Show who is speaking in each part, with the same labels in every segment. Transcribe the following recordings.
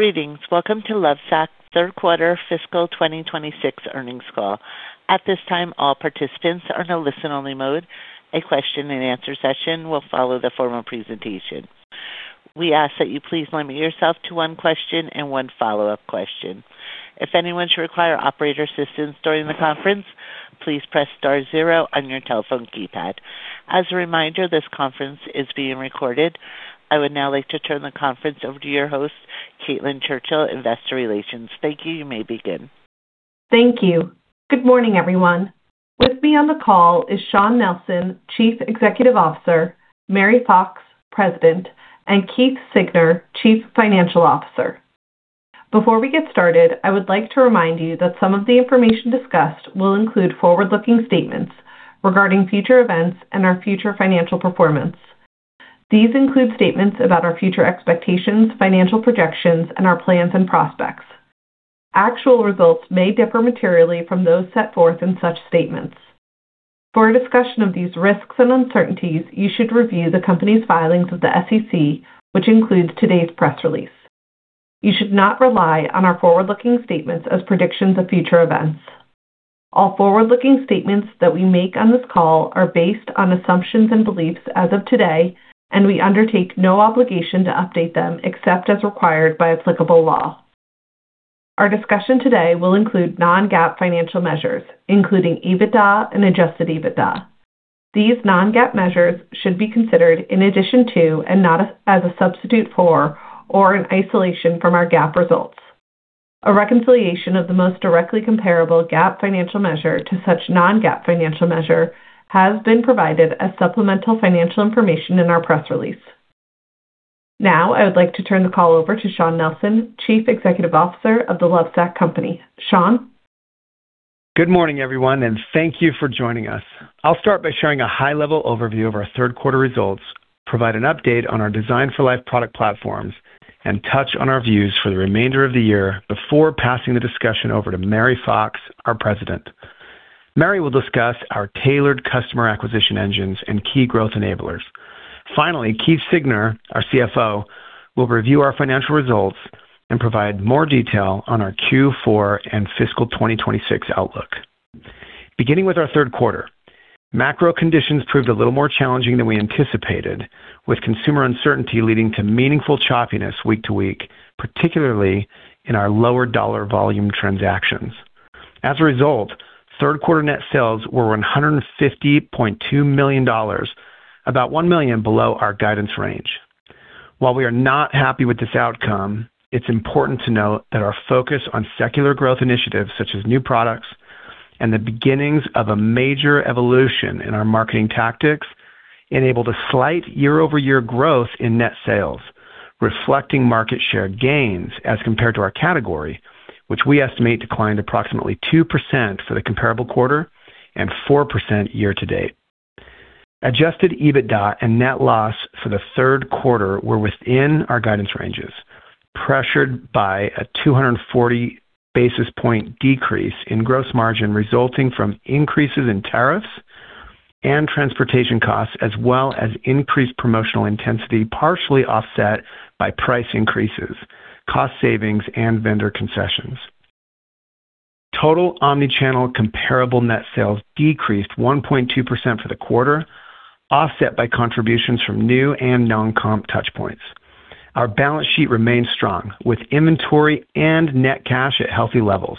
Speaker 1: Greetings. Welcome to Lovesac Third Quarter Fiscal 2026 earnings call. At this time, all participants are in a listen-only mode. A question-and-answer session will follow the formal presentation. We ask that you please limit yourself to one question and one follow-up question. If anyone should require operator assistance during the conference, please press star zero on your telephone keypad. As a reminder, this conference is being recorded. I would now like to turn the conference over to your host, Caitlin Churchill, Investor Relations. Thank you. You may begin.
Speaker 2: Thank you. Good morning, everyone. With me on the call is Shawn Nelson, Chief Executive Officer, Mary Fox, President, and Keith Siegner, Chief Financial Officer. Before we get started, I would like to remind you that some of the information discussed will include forward-looking statements regarding future events and our future financial performance. These include statements about our future expectations, financial projections, and our plans and prospects. Actual results may differ materially from those set forth in such statements. For discussion of these risks and uncertainties, you should review the company's filings with the SEC, which includes today's press release. You should not rely on our forward-looking statements as predictions of future events. All forward-looking statements that we make on this call are based on assumptions and beliefs as of today, and we undertake no obligation to update them except as required by applicable law. Our discussion today will include non-GAAP financial measures, including EBITDA and adjusted EBITDA. These non-GAAP measures should be considered in addition to, and not as a substitute for, or in isolation from our GAAP results. A reconciliation of the most directly comparable GAAP financial measure to such non-GAAP financial measure has been provided as supplemental financial information in our press release. Now, I would like to turn the call over to Shawn Nelson, Chief Executive Officer of The Lovesac Company. Shawn.
Speaker 3: Good morning, everyone, and thank you for joining us. I'll start by sharing a high-level overview of our third-quarter results, provide an update on our Designed For Life product platforms, and touch on our views for the remainder of the year before passing the discussion over to Mary Fox, our President. Mary will discuss our tailored customer acquisition engines and key growth enablers. Finally, Keith Siegner, our CFO, will review our financial results and provide more detail on our Q4 and fiscal 2026 outlook. Beginning with our third quarter, macro conditions proved a little more challenging than we anticipated, with consumer uncertainty leading to meaningful choppiness week-to-week, particularly in our lower dollar volume transactions. As a result, third-quarter net sales were $150.2 million, about one million below our guidance range. While we are not happy with this outcome, it's important to note that our focus on secular growth initiatives such as new products and the beginnings of a major evolution in our marketing tactics enabled a slight year-over-year growth in net sales, reflecting market share gains as compared to our category, which we estimate declined approximately 2% for the comparable quarter and 4% year to date. Adjusted EBITDA and net loss for the third quarter were within our guidance ranges, pressured by a 240 basis point decrease in gross margin resulting from increases in tariffs and transportation costs, as well as increased promotional intensity partially offset by price increases, cost savings, and vendor concessions. Total omnichannel comparable net sales decreased 1.2% for the quarter, offset by contributions from new and non-comp touchpoints. Our balance sheet remains strong, with inventory and net cash at healthy levels.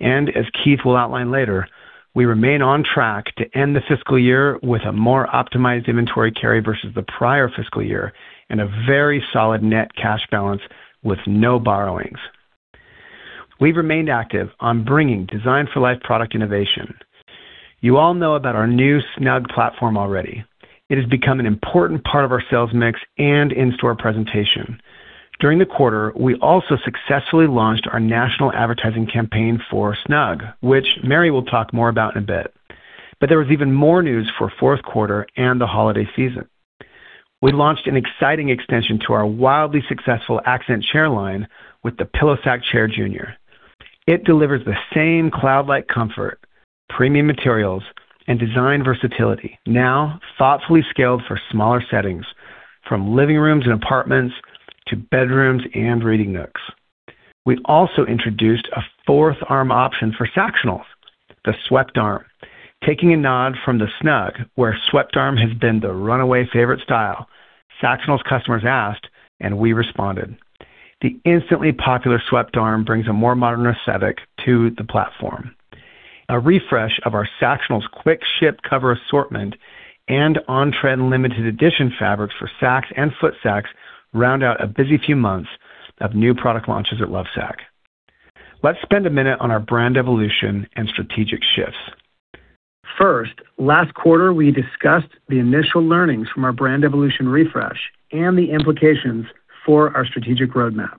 Speaker 3: As Keith will outline later, we remain on track to end the fiscal year with a more optimized inventory carry versus the prior fiscal year and a very solid net cash balance with no borrowings. We've remained active on bringing Designed For Life product innovation. You all know about our new Snugg platform already. It has become an important part of our sales mix and in-store presentation. During the quarter, we also successfully launched our national advertising campaign for Snugg, which Mary will talk more about in a bit. There was even more news for fourth quarter and the holiday season. We launched an exciting extension to our wildly successful accent chair line with the PillowSac Chair Jr. It delivers the same cloud-like comfort, premium materials, and design versatility, now thoughtfully scaled for smaller settings, from living rooms and apartments to bedrooms and reading nooks. We also introduced a fourth arm option for Sactionals, the Swept Arm. Taking a nod from the Snugg, where Swept Arm has been the runaway favorite style, Sactionals customers asked, and we responded. The instantly popular Swept Arm brings a more modern aesthetic to the platform. A refresh of our Sactionals Quick Ship cover assortment and on-trend limited edition fabrics for Sacs and Footsacs round out a busy few months of new product launches at Lovesac. Let's spend a minute on our brand evolution and strategic shifts. First, last quarter, we discussed the initial learnings from our brand evolution refresh and the implications for our strategic roadmap.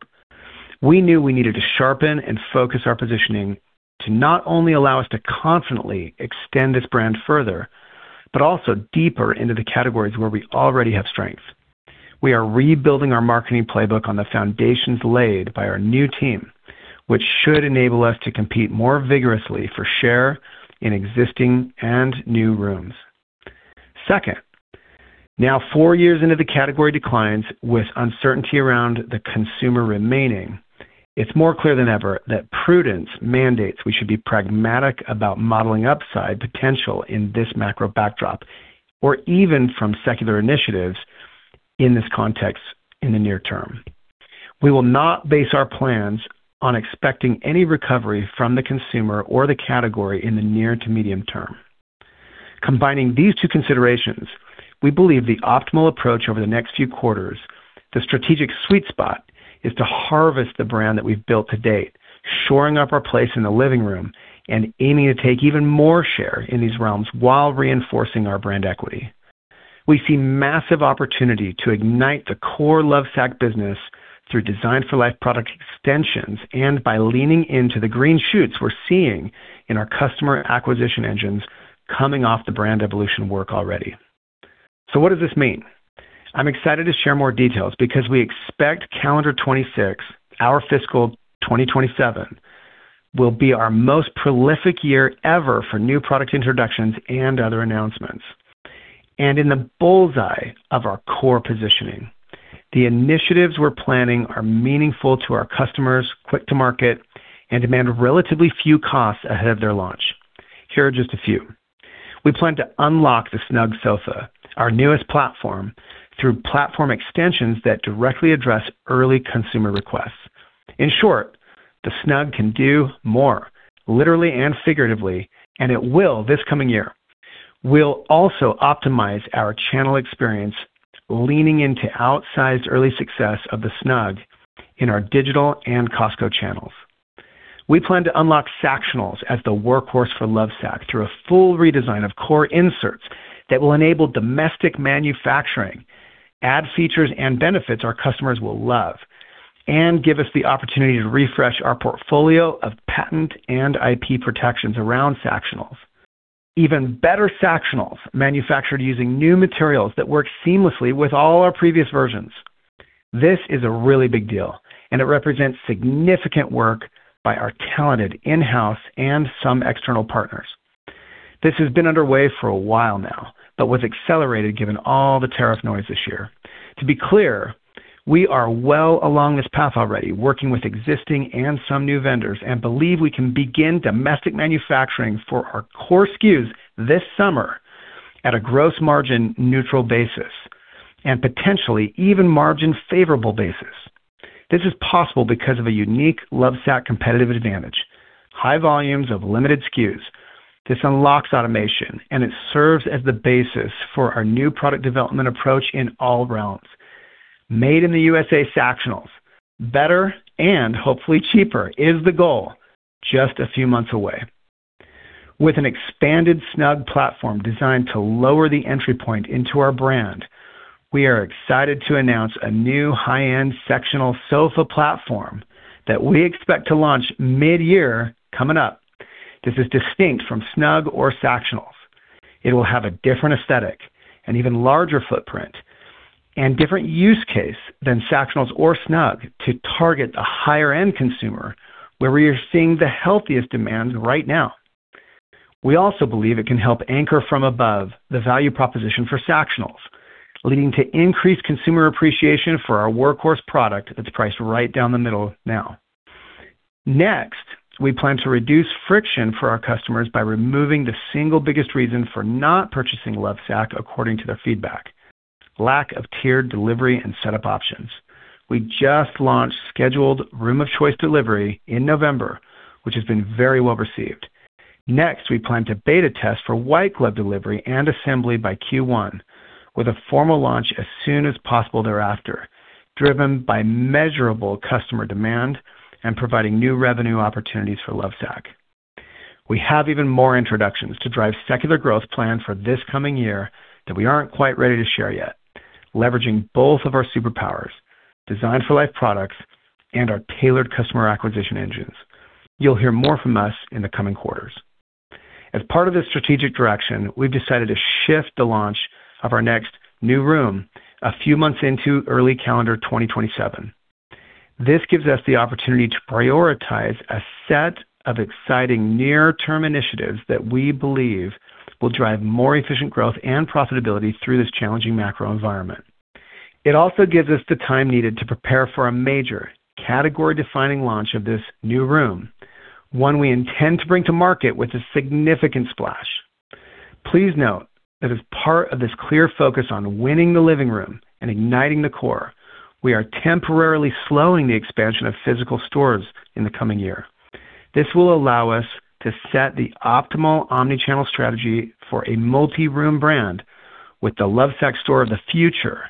Speaker 3: We knew we needed to sharpen and focus our positioning to not only allow us to confidently extend this brand further, but also deeper into the categories where we already have strength. We are rebuilding our marketing playbook on the foundations laid by our new team, which should enable us to compete more vigorously for share in existing and new rooms. Second, now four years into the category declines with uncertainty around the consumer remaining, it's more clear than ever that prudence mandates we should be pragmatic about modeling upside potential in this macro backdrop, or even from secular initiatives in this context in the near term. We will not base our plans on expecting any recovery from the consumer or the category in the near to medium term. Combining these two considerations, we believe the optimal approach over the next few quarters, the strategic sweet spot, is to harvest the brand that we've built to date, shoring up our place in the living room and aiming to take even more share in these realms while reinforcing our brand equity. We see massive opportunity to ignite the core Lovesac business through Designed For Life product extensions and by leaning into the green shoots we're seeing in our customer acquisition engines coming off the brand evolution work already. So what does this mean? I'm excited to share more details because we expect calendar 2026, our fiscal 2027, will be our most prolific year ever for new product introductions and other announcements. And in the bull's eye of our core positioning, the initiatives we're planning are meaningful to our customers, quick to market, and demand relatively few costs ahead of their launch. Here are just a few. We plan to unlock the Snugg sofa, our newest platform, through platform extensions that directly address early consumer requests. In short, the Snugg can do more, literally and figuratively, and it will this coming year. We'll also optimize our channel experience, leaning into outsized early success of the Snugg in our digital and Costco channels. We plan to unlock Sactionals as the workhorse for Lovesac through a full redesign of core inserts that will enable domestic manufacturing, add features and benefits our customers will love, and give us the opportunity to refresh our portfolio of patent and IP protections around Sactionals. Even better Sactionals manufactured using new materials that work seamlessly with all our previous versions. This is a really big deal, and it represents significant work by our talented in-house and some external partners. This has been underway for a while now, but was accelerated given all the tariff noise this year. To be clear, we are well along this path already, working with existing and some new vendors, and believe we can begin domestic manufacturing for our core SKUs this summer at a gross margin neutral basis and potentially even margin favorable basis. This is possible because of a unique Lovesac competitive advantage: high volumes of limited SKUs. This unlocks automation, and it serves as the basis for our new product development approach in all realms. Made in the USA Sactionals, better and hopefully cheaper is the goal just a few months away. With an expanded Snugg platform designed to lower the entry point into our brand, we are excited to announce a new high-end sectional sofa platform that we expect to launch mid-year coming up. This is distinct from Snugg or Sactionals. It will have a different aesthetic and even larger footprint and different use case than Sactionals or Snugg to target the higher-end consumer where we are seeing the healthiest demand right now. We also believe it can help anchor from above the value proposition for Sactionals, leading to increased consumer appreciation for our workhorse product that's priced right down the middle now. Next, we plan to reduce friction for our customers by removing the single biggest reason for not purchasing Lovesac, according to their feedback: lack of tiered delivery and setup options. We just launched scheduled Room of Choice delivery in November, which has been very well received. Next, we plan to beta test for white-glove delivery and assembly by Q1, with a formal launch as soon as possible thereafter, driven by measurable customer demand and providing new revenue opportunities for Lovesac. We have even more introductions to drive secular growth planned for this coming year that we aren't quite ready to share yet, leveraging both of our superpowers, Designed For Life products, and our tailored customer acquisition engines. You'll hear more from us in the coming quarters. As part of this strategic direction, we've decided to shift the launch of our next new room a few months into early calendar 2027. This gives us the opportunity to prioritize a set of exciting near-term initiatives that we believe will drive more efficient growth and profitability through this challenging macro environment. It also gives us the time needed to prepare for a major category-defining launch of this new room, one we intend to bring to market with a significant splash. Please note that as part of this clear focus on winning the living room and igniting the core, we are temporarily slowing the expansion of physical stores in the coming year. This will allow us to set the optimal omnichannel strategy for a multi-room brand with the Lovesac store of the future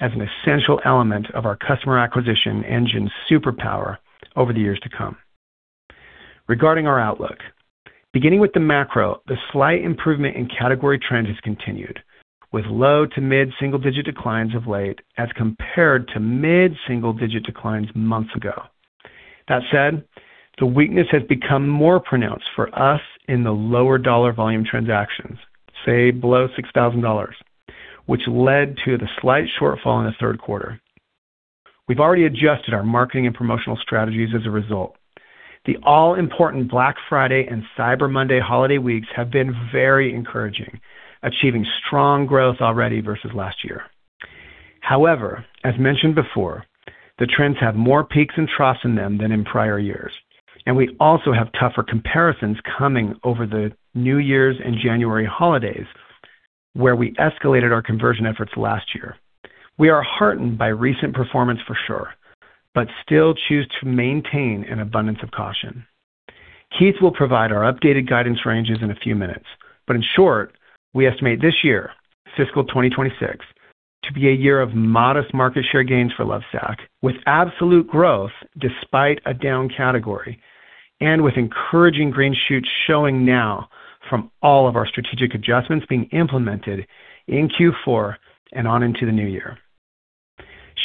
Speaker 3: as an essential element of our customer acquisition engine superpower over the years to come. Regarding our outlook, beginning with the macro, the slight improvement in category trend has continued, with low to mid single-digit declines of late as compared to mid single-digit declines months ago. That said, the weakness has become more pronounced for us in the lower dollar volume transactions, say below $6,000, which led to the slight shortfall in the third quarter. We've already adjusted our marketing and promotional strategies as a result. The all-important Black Friday and Cyber Monday holiday weeks have been very encouraging, achieving strong growth already versus last year. However, as mentioned before, the trends have more peaks and troughs in them than in prior years, and we also have tougher comparisons coming over the New Year's and January holidays where we escalated our conversion efforts last year. We are heartened by recent performance for sure, but still choose to maintain an abundance of caution. Keith will provide our updated guidance ranges in a few minutes, but in short, we estimate this year, fiscal 2026, to be a year of modest market share gains for Lovesac, with absolute growth despite a down category, and with encouraging green shoots showing now from all of our strategic adjustments being implemented in Q4 and on into the new year.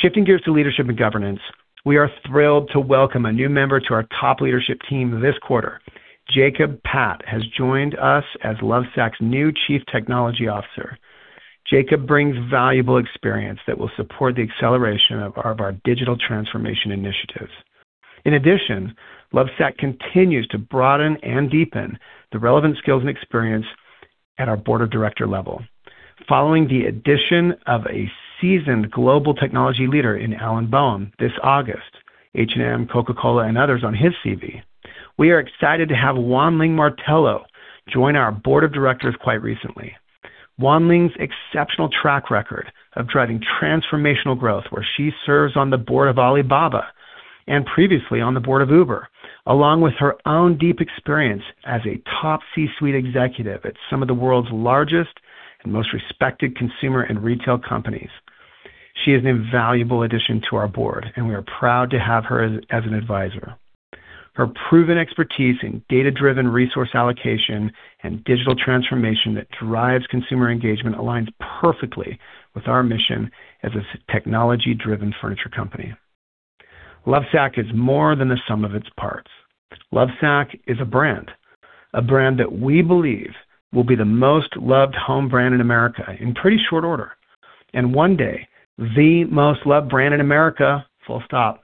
Speaker 3: Shifting gears to leadership and governance, we are thrilled to welcome a new member to our top leadership team this quarter. Jacob Pat has joined us as Lovesac's new Chief Technology Officer. Jacob brings valuable experience that will support the acceleration of our digital transformation initiatives. In addition, Lovesac continues to broaden and deepen the relevant skills and experience at our board of director level. Following the addition of a seasoned global technology leader in Alan Boehme this August, H&M, Coca-Cola, and others on his CV, we are excited to have Wan Ling Martello join our board of directors quite recently. Wan Ling's exceptional track record of driving transformational growth where she serves on the board of Alibaba and previously on the board of Uber, along with her own deep experience as a top C-suite executive at some of the world's largest and most respected consumer and retail companies, she is an invaluable addition to our board, and we are proud to have her as an advisor. Her proven expertise in data-driven resource allocation and digital transformation that drives consumer engagement aligns perfectly with our mission as a technology-driven furniture company. Lovesac is more than the sum of its parts. Lovesac is a brand, a brand that we believe will be the most loved home brand in America in pretty short order, and one day, the most loved brand in America, full stop.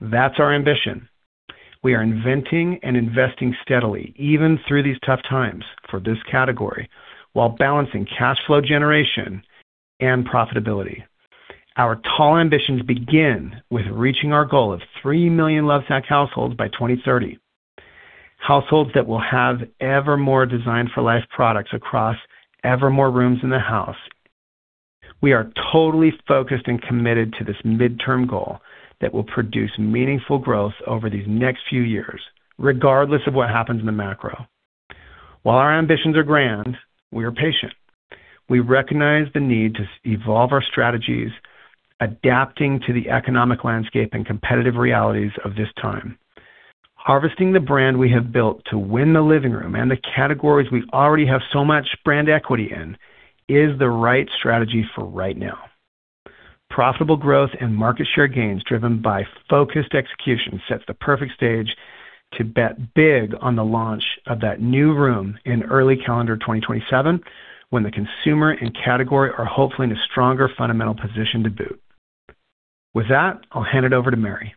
Speaker 3: That's our ambition. We are inventing and investing steadily, even through these tough times for this category, while balancing cash flow generation and profitability. Our tall ambitions begin with reaching our goal of 3 million Lovesac households by 2030, households that will have ever more Designed For Life products across ever more rooms in the house. We are totally focused and committed to this midterm goal that will produce meaningful growth over these next few years, regardless of what happens in the macro. While our ambitions are grand, we are patient. We recognize the need to evolve our strategies, adapting to the economic landscape and competitive realities of this time. Harvesting the brand we have built to win the living room and the categories we already have so much brand equity in is the right strategy for right now. Profitable growth and market share gains driven by focused execution sets the perfect stage to bet big on the launch of that new room in early calendar 2027, when the consumer and category are hopefully in a stronger fundamental position to boot. With that, I'll hand it over to Mary.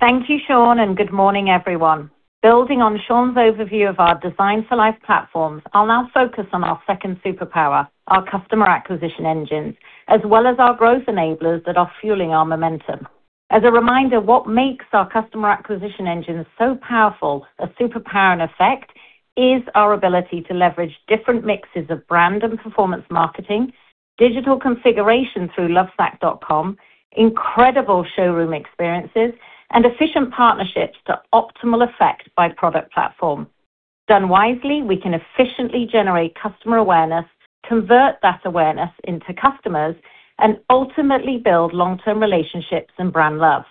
Speaker 4: Thank you, Shawn, and good morning, everyone. Building on Shawn's overview of our Designed For Life platforms, I'll now focus on our second superpower, our customer acquisition engines, as well as our growth enablers that are fueling our momentum. As a reminder, what makes our customer acquisition engines so powerful, a superpower in effect, is our ability to leverage different mixes of brand and performance marketing, digital configuration through Lovesac.com, incredible showroom experiences, and efficient partnerships to optimal effect by product platform. Done wisely, we can efficiently generate customer awareness, convert that awareness into customers, and ultimately build long-term relationships and brand love.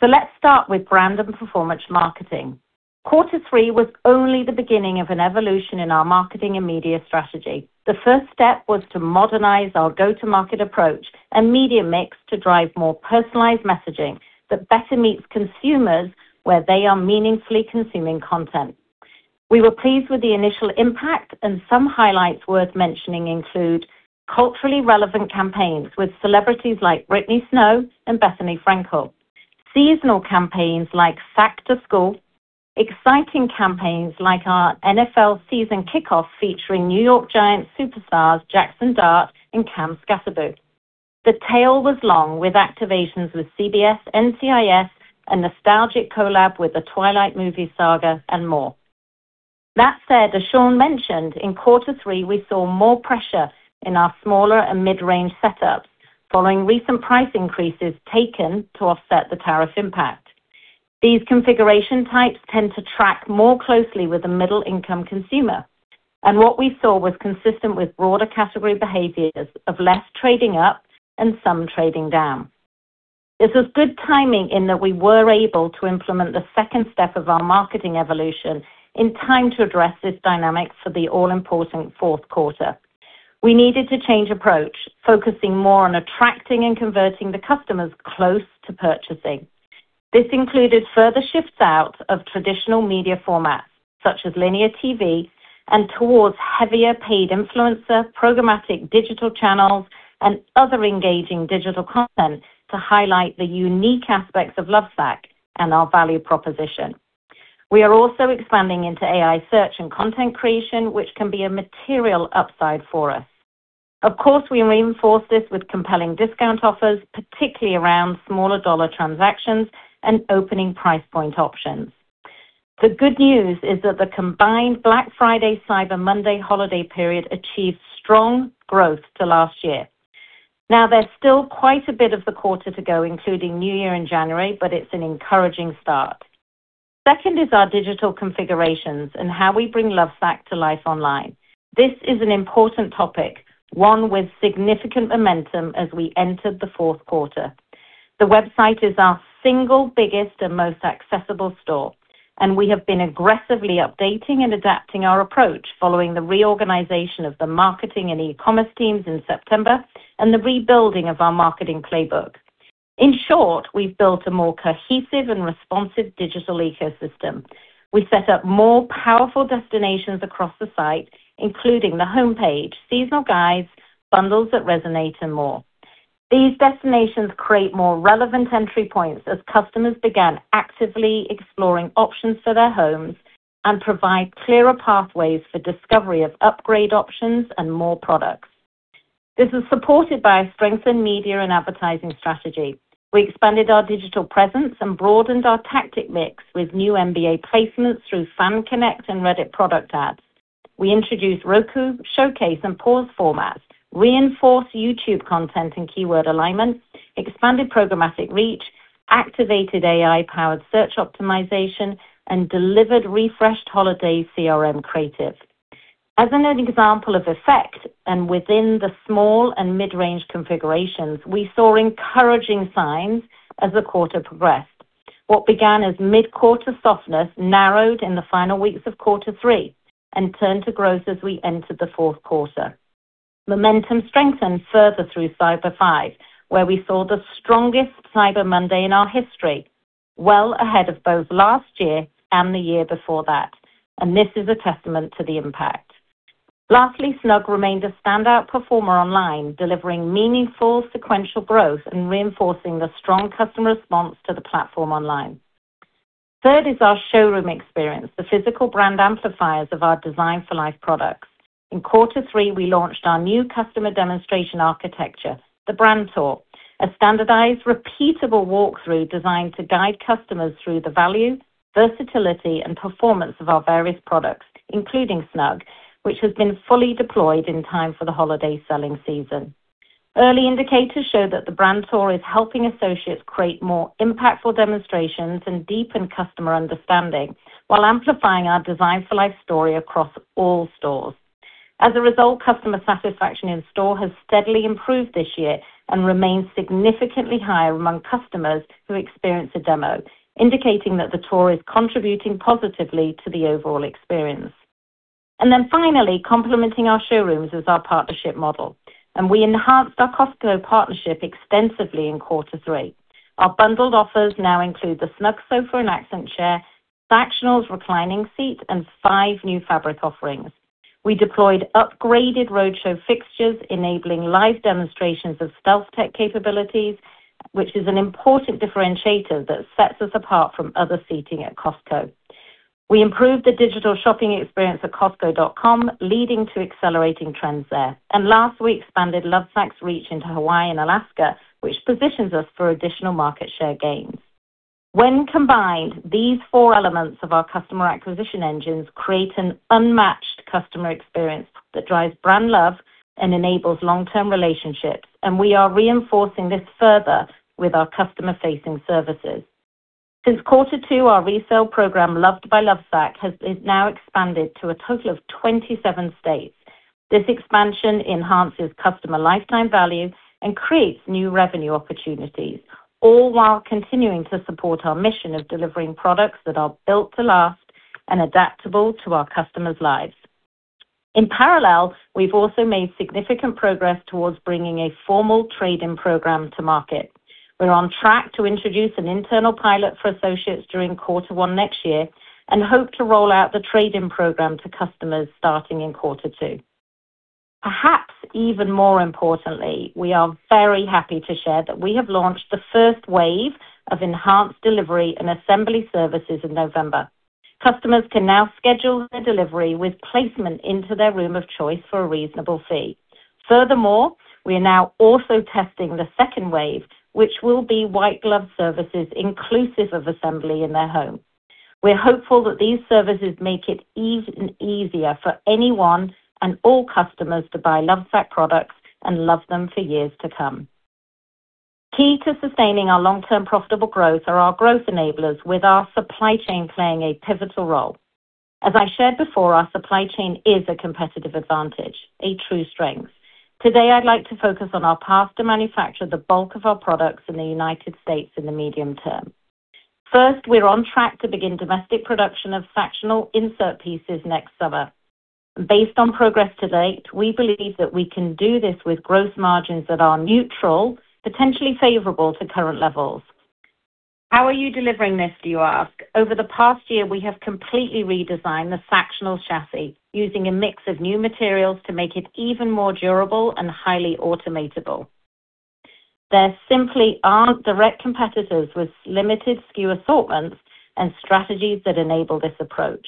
Speaker 4: So let's start with brand and performance marketing. Quarter three was only the beginning of an evolution in our marketing and media strategy. The first step was to modernize our go-to-market approach and media mix to drive more personalized messaging that better meets consumers where they are meaningfully consuming content. We were pleased with the initial impact, and some highlights worth mentioning include culturally relevant campaigns with celebrities like Brittany Snow and Bethenny Frankel, seasonal campaigns like Sacs to School, exciting campaigns like our NFL season kickoff featuring New York Giants superstars Jaxson Dart and Cam Skattebo. The tail was long with activations with CBS, NCIS, a nostalgic collab with The Twilight Saga, and more. That said, as Shawn mentioned, in quarter three, we saw more pressure in our smaller and mid-range setups following recent price increases taken to offset the tariff impact. These configuration types tend to track more closely with a middle-income consumer, and what we saw was consistent with broader category behaviors of less trading up and some trading down. This was good timing in that we were able to implement the second step of our marketing evolution in time to address this dynamic for the all-important fourth quarter. We needed to change approach, focusing more on attracting and converting the customers close to purchasing. This included further shifts out of traditional media formats such as linear TV and towards heavier paid influencer, programmatic digital channels, and other engaging digital content to highlight the unique aspects of Lovesac and our value proposition. We are also expanding into AI search and content creation, which can be a material upside for us. Of course, we reinforce this with compelling discount offers, particularly around smaller dollar transactions and opening price point options. The good news is that the combined Black Friday, Cyber Monday holiday period achieved strong growth to last year. Now, there's still quite a bit of the quarter to go, including New Year in January, but it's an encouraging start. Second is our digital configurations and how we bring Lovesac to life online. This is an important topic, one with significant momentum as we entered the fourth quarter. The website is our single biggest and most accessible store, and we have been aggressively updating and adapting our approach following the reorganization of the marketing and e-commerce teams in September and the rebuilding of our marketing playbook. In short, we've built a more cohesive and responsive digital ecosystem. We set up more powerful destinations across the site, including the homepage, seasonal guides, bundles that resonate, and more. These destinations create more relevant entry points as customers began actively exploring options for their homes and provide clearer pathways for discovery of upgrade options and more products. This is supported by a strengthened media and advertising strategy. We expanded our digital presence and broadened our tactic mix with new NBA placements through FanConnect and Reddit product ads. We introduced Roku, Showcase, and Pause formats, reinforced YouTube content and keyword alignment, expanded programmatic reach, activated AI-powered search optimization, and delivered refreshed holiday CRM creative. As an example of effect and within the small and mid-range configurations, we saw encouraging signs as the quarter progressed. What began as mid-quarter softness narrowed in the final weeks of quarter three and turned to growth as we entered the fourth quarter. Momentum strengthened further through Cyber Five, where we saw the strongest Cyber Monday in our history, well ahead of both last year and the year before that, and this is a testament to the impact. Lastly, Snugg remained a standout performer online, delivering meaningful sequential growth and reinforcing the strong customer response to the platform online. Third is our showroom experience, the physical brand amplifiers of our Designed For Life products. In quarter three, we launched our new customer demonstration architecture, the Brand Tour, a standardized repeatable walkthrough designed to guide customers through the value, versatility, and performance of our various products, including Snugg, which has been fully deployed in time for the holiday selling season. Early indicators show that the Brand Tour is helping associates create more impactful demonstrations and deepen customer understanding while amplifying our Designed For Life story across all stores. As a result, customer satisfaction in store has steadily improved this year and remains significantly higher among customers who experience a demo, indicating that the tour is contributing positively to the overall experience, and then finally, complementing our showrooms is our partnership model, and we enhanced our Costco partnership extensively in quarter three. Our bundled offers now include the Snugg Sofa and Accent Chair, Sactionals Reclining Seat, and five new fabric offerings. We deployed upgraded roadshow fixtures, enabling live demonstrations of StealthTech capabilities, which is an important differentiator that sets us apart from other seating at Costco. We improved the digital shopping experience at Costco.com, leading to accelerating trends there. Last, we expanded Lovesac's reach into Hawaii and Alaska, which positions us for additional market share gains. When combined, these four elements of our customer acquisition engines create an unmatched customer experience that drives brand love and enables long-term relationships, and we are reinforcing this further with our customer-facing services. Since quarter two, our resale program, Loved by Lovesac, has now expanded to a total of 27 states. This expansion enhances customer lifetime value and creates new revenue opportunities, all while continuing to support our mission of delivering products that are built to last and adaptable to our customers' lives. In parallel, we've also made significant progress towards bringing a formal trade-in program to market. We're on track to introduce an internal pilot for associates during quarter one next year and hope to roll out the trade-in program to customers starting in quarter two. Perhaps even more importantly, we are very happy to share that we have launched the first wave of enhanced delivery and assembly services in November. Customers can now schedule their delivery with placement into their Room of Choice for a reasonable fee. Furthermore, we are now also testing the second wave, which will be white-glove services inclusive of assembly in their home. We're hopeful that these services make it even easier for anyone and all customers to buy Lovesac products and love them for years to come. Key to sustaining our long-term profitable growth are our growth enablers, with our supply chain playing a pivotal role. As I shared before, our supply chain is a competitive advantage, a true strength. Today, I'd like to focus on our path to manufacture the bulk of our products in the United States in the medium term. First, we're on track to begin domestic production of Sactionals insert pieces next summer. Based on progress to date, we believe that we can do this with gross margins that are neutral, potentially favorable to current levels. How are you delivering this, do you ask? Over the past year, we have completely redesigned the Sactionals chassis using a mix of new materials to make it even more durable and highly automatable. There simply aren't direct competitors with limited SKU assortments and strategies that enable this approach,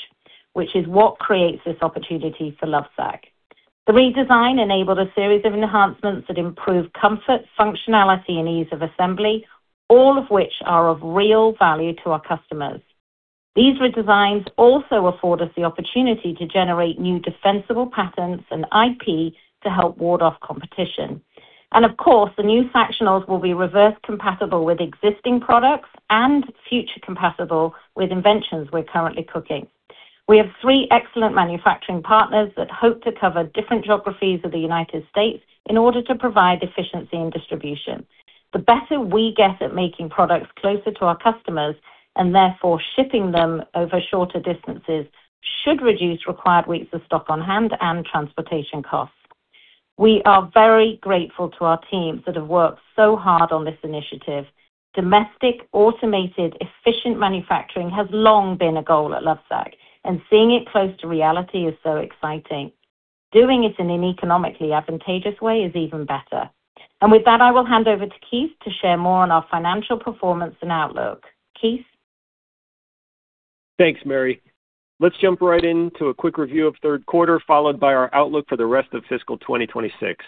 Speaker 4: which is what creates this opportunity for Lovesac. The redesign enabled a series of enhancements that improve comfort, functionality, and ease of assembly, all of which are of real value to our customers. These redesigns also afford us the opportunity to generate new defensible patterns and IP to help ward off competition. Of course, the new Sactionals will be backward compatible with existing products and forward compatible with inventions we're currently cooking. We have three excellent manufacturing partners that hope to cover different geographies of the United States in order to provide efficiency in distribution. The better we get at making products closer to our customers and therefore shipping them over shorter distances should reduce required weeks of stock on hand and transportation costs. We are very grateful to our teams that have worked so hard on this initiative. Domestic automated efficient manufacturing has long been a goal at Lovesac, and seeing it close to reality is so exciting. Doing it in an economically advantageous way is even better. With that, I will hand over to Keith to share more on our financial performance and outlook. Keith?
Speaker 5: Thanks, Mary. Let's jump right into a quick review of third quarter, followed by our outlook for the rest of fiscal 2026.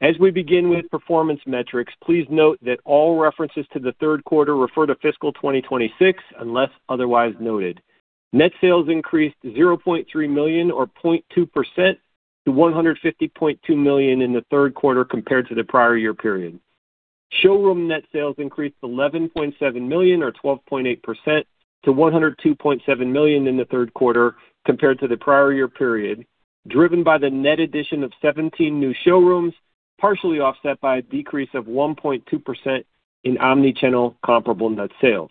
Speaker 5: As we begin with performance metrics, please note that all references to the third quarter refer to fiscal 2026 unless otherwise noted. Net sales increased $0.3 million, or 0.2%, to $150.2 million in the third quarter compared to the prior year period. Showroom net sales increased $11.7 million, or 12.8%, to $102.7 million in the third quarter compared to the prior year period, driven by the net addition of 17 new showrooms, partially offset by a decrease of 1.2% in omnichannel comparable net sales.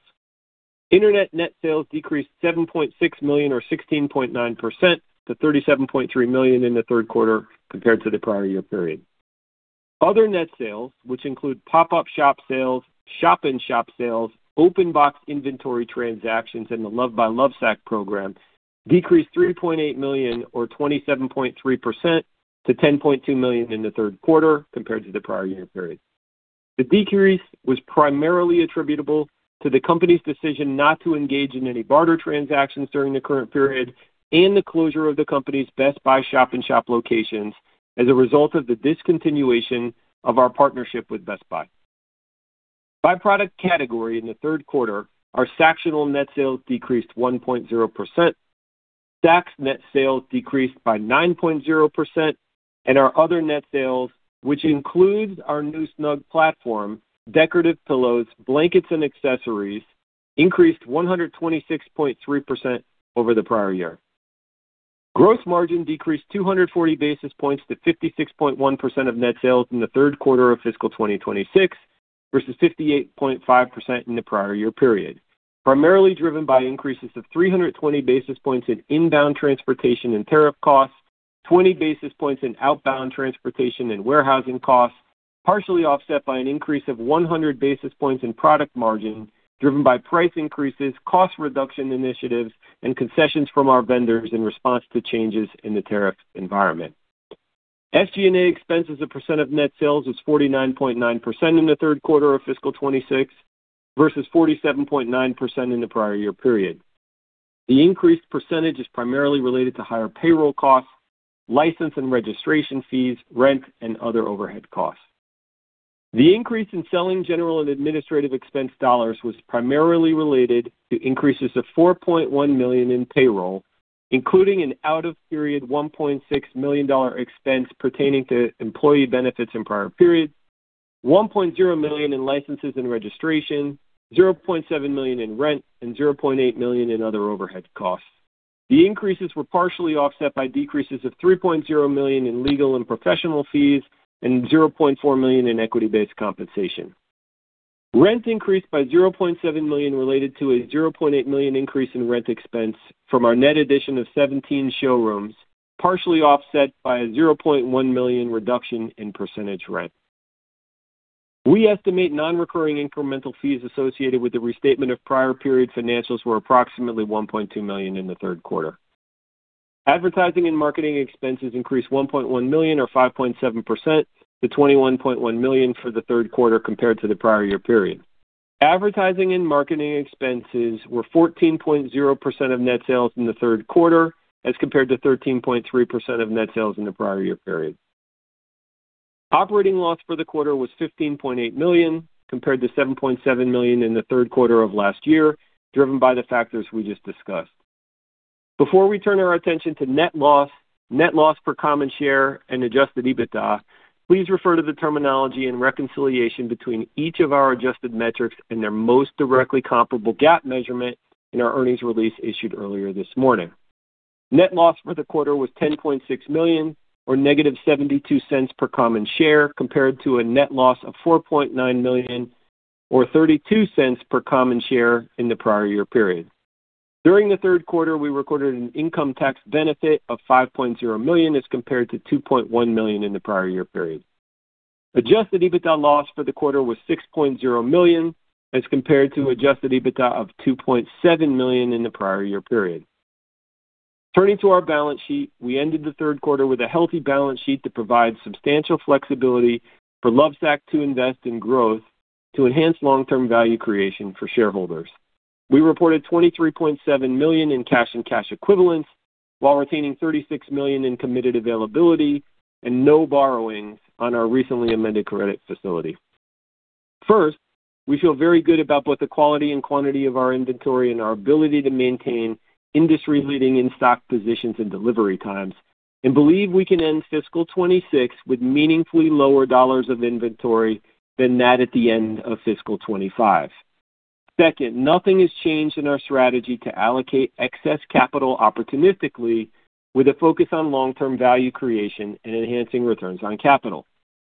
Speaker 5: Internet net sales decreased $7.6 million, or 16.9%, to $37.3 million in the third quarter compared to the prior year period. Other net sales, which include pop-up shop sales, shop-in-shop sales, open box inventory transactions, and the Loved by Lovesac program, decreased $3.8 million, or 27.3%, to $10.2 million in the third quarter compared to the prior year period. The decrease was primarily attributable to the company's decision not to engage in any barter transactions during the current period and the closure of the company's Best Buy shop-in-shop locations as a result of the discontinuation of our partnership with Best Buy. By product category in the third quarter, our Sactionals net sales decreased 1.0%, Sacs' net sales decreased by 9.0%, and our other net sales, which includes our new Snugg platform, decorative pillows, blankets, and accessories, increased 126.3% over the prior year. Gross margin decreased 240 basis points to 56.1% of net sales in the third quarter of fiscal 2026 versus 58.5% in the prior year period, primarily driven by increases of 320 basis points in inbound transportation and tariff costs, 20 basis points in outbound transportation and warehousing costs, partially offset by an increase of 100 basis points in product margin driven by price increases, cost reduction initiatives, and concessions from our vendors in response to changes in the tariff environment. SG&A expenses as a percent of net sales was 49.9% in the third quarter of fiscal 2026 versus 47.9% in the prior year period. The increased percentage is primarily related to higher payroll costs, license and registration fees, rent, and other overhead costs. The increase in selling, general, and administrative expense dollars was primarily related to increases of $4.1 million in payroll, including an out-of-period $1.6 million expense pertaining to employee benefits in prior periods, $1.0 million in licenses and registration, $0.7 million in rent, and $0.8 million in other overhead costs. The increases were partially offset by decreases of $3.0 million in legal and professional fees and $0.4 million in equity-based compensation. Rent increased by $0.7 million related to a $0.8 million increase in rent expense from our net addition of 17 showrooms, partially offset by a $0.1 million reduction in percentage rent. We estimate non-recurring incremental fees associated with the restatement of prior period financials were approximately $1.2 million in the third quarter. Advertising and marketing expenses increased $1.1 million, or 5.7%, to $21.1 million for the third quarter compared to the prior year period. Advertising and marketing expenses were 14.0% of net sales in the third quarter as compared to 13.3% of net sales in the prior year period. Operating loss for the quarter was $15.8 million compared to $7.7 million in the third quarter of last year, driven by the factors we just discussed. Before we turn our attention to net loss, net loss per common share, and adjusted EBITDA, please refer to the terminology and reconciliation between each of our adjusted metrics and their most directly comparable GAAP measurement in our earnings release issued earlier this morning. Net loss for the quarter was $10.6 million, or -$0.72 per common share, compared to a net loss of $4.9 million, or $0.32 per common share in the prior year period. During the third quarter, we recorded an income tax benefit of $5.0 million as compared to $2.1 million in the prior year period. Adjusted EBITDA loss for the quarter was $6.0 million as compared to adjusted EBITDA of $2.7 million in the prior year period. Turning to our balance sheet, we ended the third quarter with a healthy balance sheet to provide substantial flexibility for Lovesac to invest in growth to enhance long-term value creation for shareholders. We reported $23.7 million in cash and cash equivalents while retaining $36 million in committed availability and no borrowings on our recently amended credit facility. First, we feel very good about both the quality and quantity of our inventory and our ability to maintain industry-leading in-stock positions and delivery times and believe we can end fiscal 2026 with meaningfully lower dollars of inventory than that at the end of fiscal 2025. Second, nothing has changed in our strategy to allocate excess capital opportunistically with a focus on long-term value creation and enhancing returns on capital.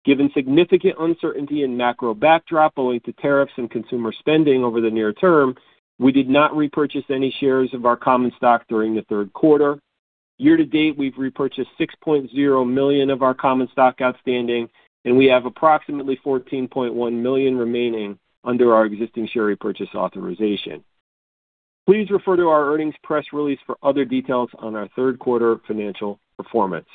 Speaker 5: Given significant uncertainty and macro backdrop owing to tariffs and consumer spending over the near term, we did not repurchase any shares of our common stock during the third quarter. Year-to-date, we've repurchased 6.0 million of our common stock outstanding, and we have approximately 14.1 million remaining under our existing share repurchase authorization. Please refer to our earnings press release for other details on our third quarter financial performance.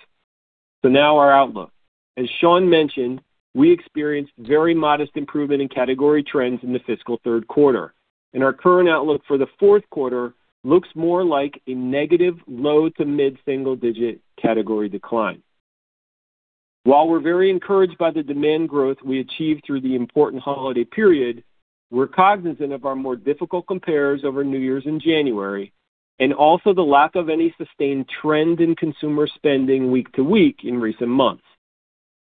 Speaker 5: So now our outlook. As Shawn mentioned, we experienced very modest improvement in category trends in the fiscal third quarter, and our current outlook for the fourth quarter looks more like a negative low to mid-single-digit category decline. While we're very encouraged by the demand growth we achieved through the important holiday period, we're cognizant of our more difficult compares over New Year's and January, and also the lack of any sustained trend in consumer spending week-to-week in recent months.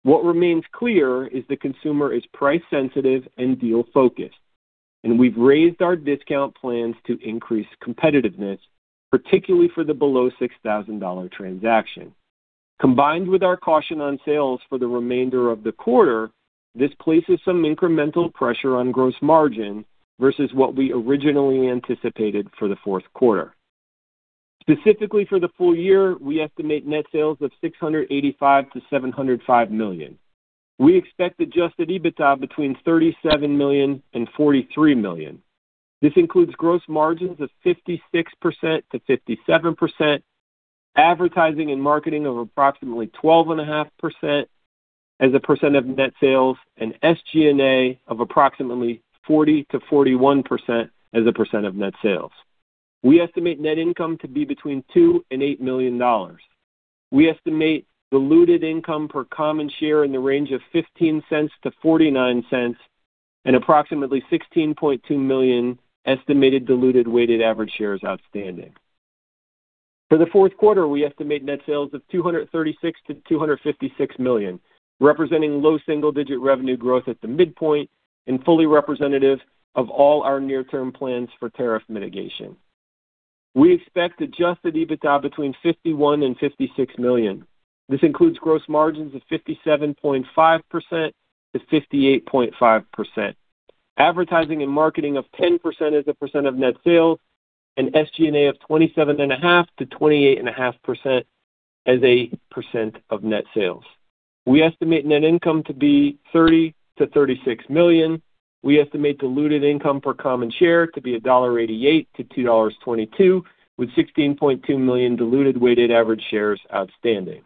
Speaker 5: What remains clear is the consumer is price-sensitive and deal-focused, and we've raised our discount plans to increase competitiveness, particularly for the below $6,000 transaction. Combined with our caution on sales for the remainder of the quarter, this places some incremental pressure on gross margin versus what we originally anticipated for the fourth quarter. Specifically for the full year, we estimate net sales of $685 million-$705 million. We expect adjusted EBITDA between $37 million and $43 million. This includes gross margins of 56%-57%, advertising and marketing of approximately 12.5% as a percent of net sales, and SG&A of approximately 40%-41% as a percent of net sales. We estimate net income to be between $2 million and $8 million. We estimate diluted income per common share in the range of $0.15-$0.49 and approximately 16.2 million estimated diluted weighted average shares outstanding. For the fourth quarter, we estimate net sales of $236 million-$256 million, representing low single-digit revenue growth at the midpoint and fully representative of all our near-term plans for tariff mitigation. We expect adjusted EBITDA between $51 million and $56 million. This includes gross margins of 57.5%-58.5%, advertising and marketing of 10% as a percent of net sales, and SG&A of 27.5%-28.5% as a percent of net sales. We estimate net income to be $30 million-$36 million. We estimate diluted income per common share to be $1.88-$2.22, with 16.2 million diluted weighted average shares outstanding.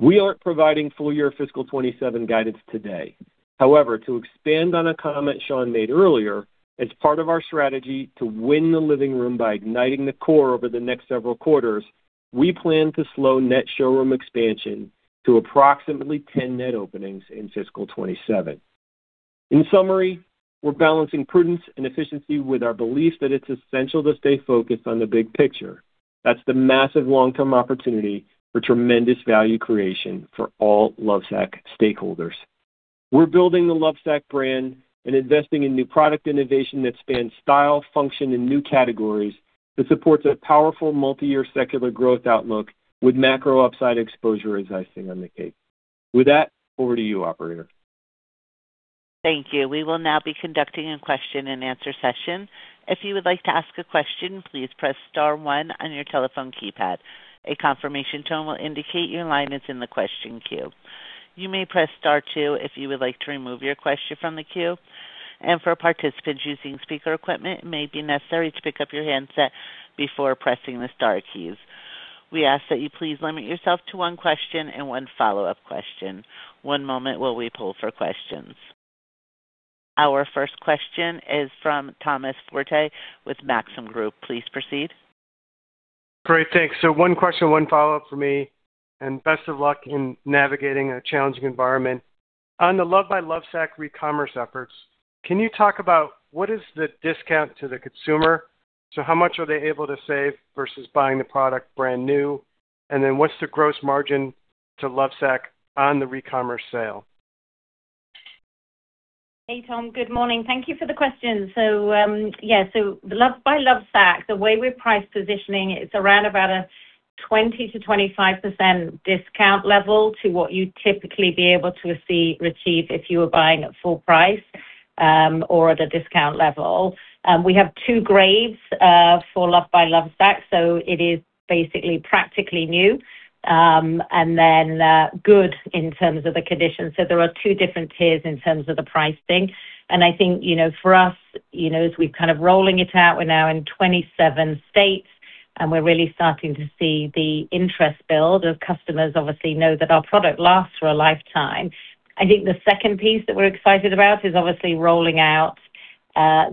Speaker 5: We aren't providing full year fiscal 2027 guidance today. However, to expand on a comment Shawn made earlier, as part of our strategy to win the living room by igniting the core over the next several quarters, we plan to slow net showroom expansion to approximately 10 net openings in fiscal 2027. In summary, we're balancing prudence and efficiency with our belief that it's essential to stay focused on the big picture. That's the massive long-term opportunity for tremendous value creation for all Lovesac stakeholders. We're building the Lovesac brand and investing in new product innovation that spans style, function, and new categories that supports a powerful multi-year secular growth outlook with macro upside exposure, as I see on the case. With that, over to you, Operator.
Speaker 1: Thank you. We will now be conducting a question-and-answer session. If you would like to ask a question, please press star one on your telephone keypad. A confirmation tone will indicate your line is in the question queue. You may press star two if you would like to remove your question from the queue, and for participants using speaker equipment, it may be necessary to pick up your handset before pressing the star keys. We ask that you please limit yourself to one question and one follow-up question. One moment while we pull for questions. Our first question is from Thomas Forte with Maxim Group. Please proceed.
Speaker 6: Great. Thanks. So one question, one follow-up for me, and best of luck in navigating a challenging environment. On the Loved by Lovesac re-commerce efforts, can you talk about what is the discount to the consumer? So how much are they able to save versus buying the product brand new? And then what's the gross margin to Lovesac on the re-commerce sale?
Speaker 4: Hey, Tom. Good morning. Thank you for the question. So yeah, so Loved by Lovesac, the way we're price positioning, it's around about a 20%-25% discount level to what you'd typically be able to achieve if you were buying at full price or at a discount level. We have two grades for Loved by Lovesac, so it is basically practically new and then good in terms of the condition. So there are two different tiers in terms of the pricing. And I think for us, as we're kind of rolling it out, we're now in 27 states, and we're really starting to see the interest build. Our customers obviously know that our product lasts for a lifetime. I think the second piece that we're excited about is obviously rolling out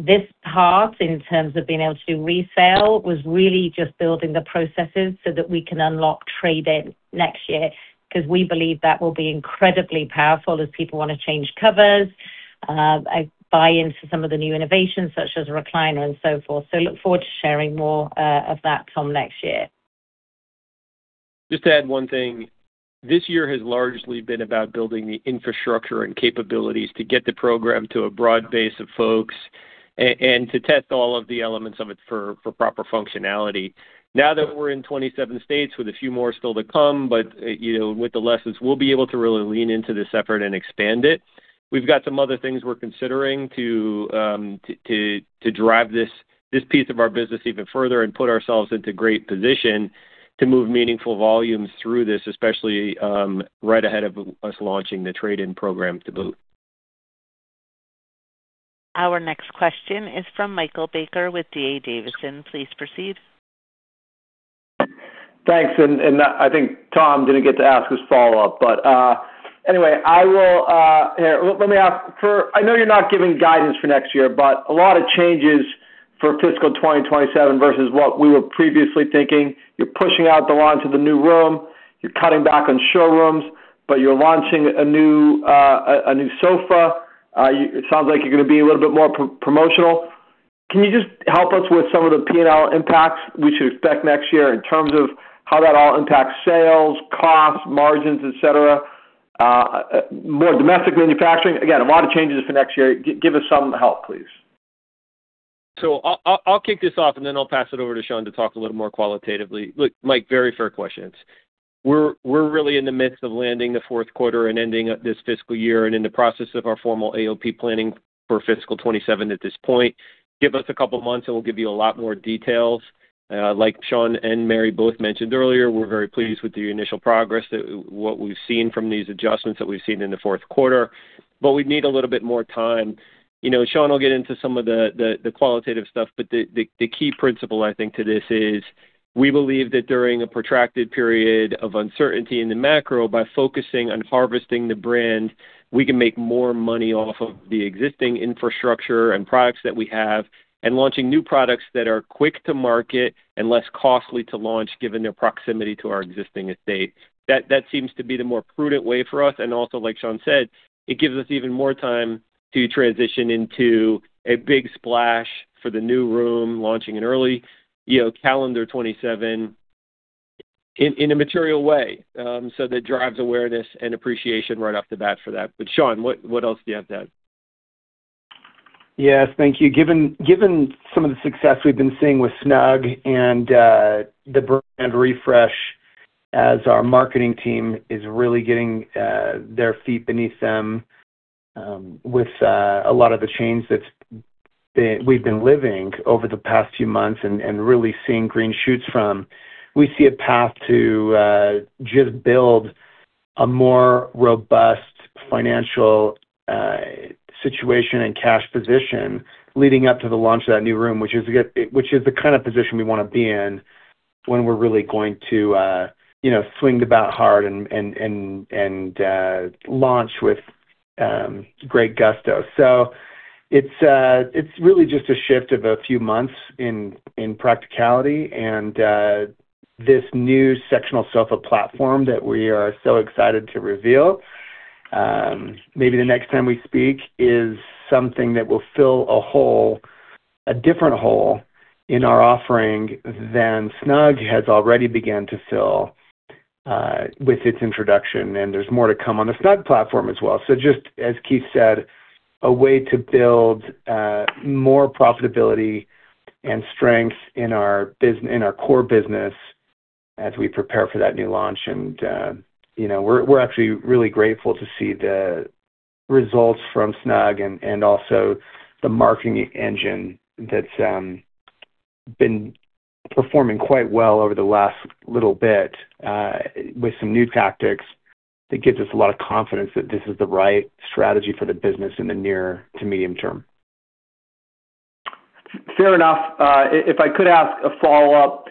Speaker 4: this part in terms of being able to do resale was really just building the processes so that we can unlock trade-in next year because we believe that will be incredibly powerful as people want to change covers, buy into some of the new innovations such as a recliner and so forth. So look forward to sharing more of that, Tom, next year.
Speaker 5: Just to add one thing, this year has largely been about building the infrastructure and capabilities to get the program to a broad base of folks and to test all of the elements of it for proper functionality. Now that we're in 27 states with a few more still to come, but with the lessons, we'll be able to really lean into this effort and expand it. We've got some other things we're considering to drive this piece of our business even further and put ourselves into great position to move meaningful volumes through this, especially right ahead of us launching the trade-in program to boot.
Speaker 1: Our next question is from Michael Baker with D.A. Davidson. Please proceed. Thanks.
Speaker 7: And I think Tom didn't get to ask his follow-up, but anyway, I'll let me ask. I know you're not giving guidance for next year, but a lot of changes for fiscal 2027 versus what we were previously thinking. You're pushing out the launch of the new room. You're cutting back on showrooms, but you're launching a new sofa. It sounds like you're going to be a little bit more promotional. Can you just help us with some of the P&L impacts we should expect next year in terms of how that all impacts sales, costs, margins, et cetera? More domestic manufacturing. Again, a lot of changes for next year. Give us some help, please.
Speaker 5: So I'll kick this off, and then I'll pass it over to Sean to talk a little more qualitatively. Look, Mike, very fair questions. We're really in the midst of landing the fourth quarter and ending this fiscal year and in the process of our formal AOP planning for fiscal 2027 at this point. Give us a couple of months, and we'll give you a lot more details. Like Shawn and Mary both mentioned earlier, we're very pleased with the initial progress, what we've seen from these adjustments that we've seen in the fourth quarter, but we need a little bit more time. Shawn will get into some of the qualitative stuff, but the key principle, I think, to this is we believe that during a protracted period of uncertainty in the macro, by focusing on harvesting the brand, we can make more money off of the existing infrastructure and products that we have and launching new products that are quick to market and less costly to launch given their proximity to our existing estate. That seems to be the more prudent way for us, and also, like Shawn said, it gives us even more time to transition into a big splash for the new room launching in early calendar 2027 in a material way so that drives awareness and appreciation right off the bat for that, but Shawn, what else do you have to add?
Speaker 3: Yes, thank you. Given some of the success we've been seeing with Snugg and the brand refresh, as our marketing team is really getting their feet beneath them with a lot of the change that we've been living over the past few months and really seeing green shoots from, we see a path to just build a more robust financial situation and cash position leading up to the launch of that new room, which is the kind of position we want to be in when we're really going to swing the bat hard and launch with great gusto. So it's really just a shift of a few months in practicality and this new sectional sofa platform that we are so excited to reveal. Maybe the next time we speak is something that will fill a hole, a different hole in our offering than Snugg has already begun to fill with its introduction, and there's more to come on the Snugg platform as well. So just as Keith said, a way to build more profitability and strength in our core business as we prepare for that new launch. And we're actually really grateful to see the results from Snugg and also the marketing engine that's been performing quite well over the last little bit with some new tactics that gives us a lot of confidence that this is the right strategy for the business in the near to medium term.
Speaker 7: Fair enough. If I could ask a follow-up,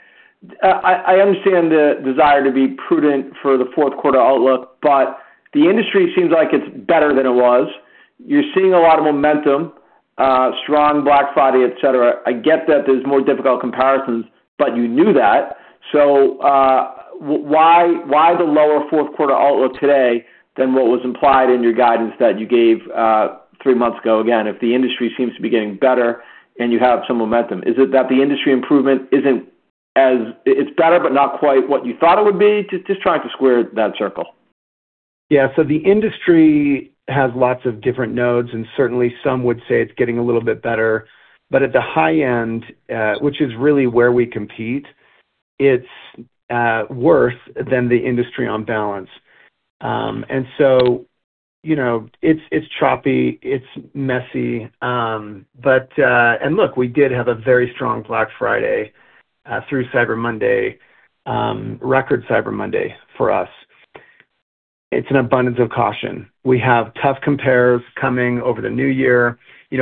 Speaker 7: I understand the desire to be prudent for the fourth quarter outlook, but the industry seems like it's better than it was. You're seeing a lot of momentum, strong Black Friday, et cetera. I get that there's more difficult comparisons, but you knew that. So why the lower fourth quarter outlook today than what was implied in your guidance that you gave three months ago? Again, if the industry seems to be getting better and you have some momentum, is it that the industry improvement isn't as it's better, but not quite what you thought it would be? Just trying to square that circle.
Speaker 3: Yeah. So the industry has lots of different nodes, and certainly some would say it's getting a little bit better. But at the high end, which is really where we compete, it's worse than the industry on balance. And so it's choppy. It's messy. And look, we did have a very strong Black Friday through Cyber Monday, record Cyber Monday for us. It's an abundance of caution. We have tough comparison coming over the new year.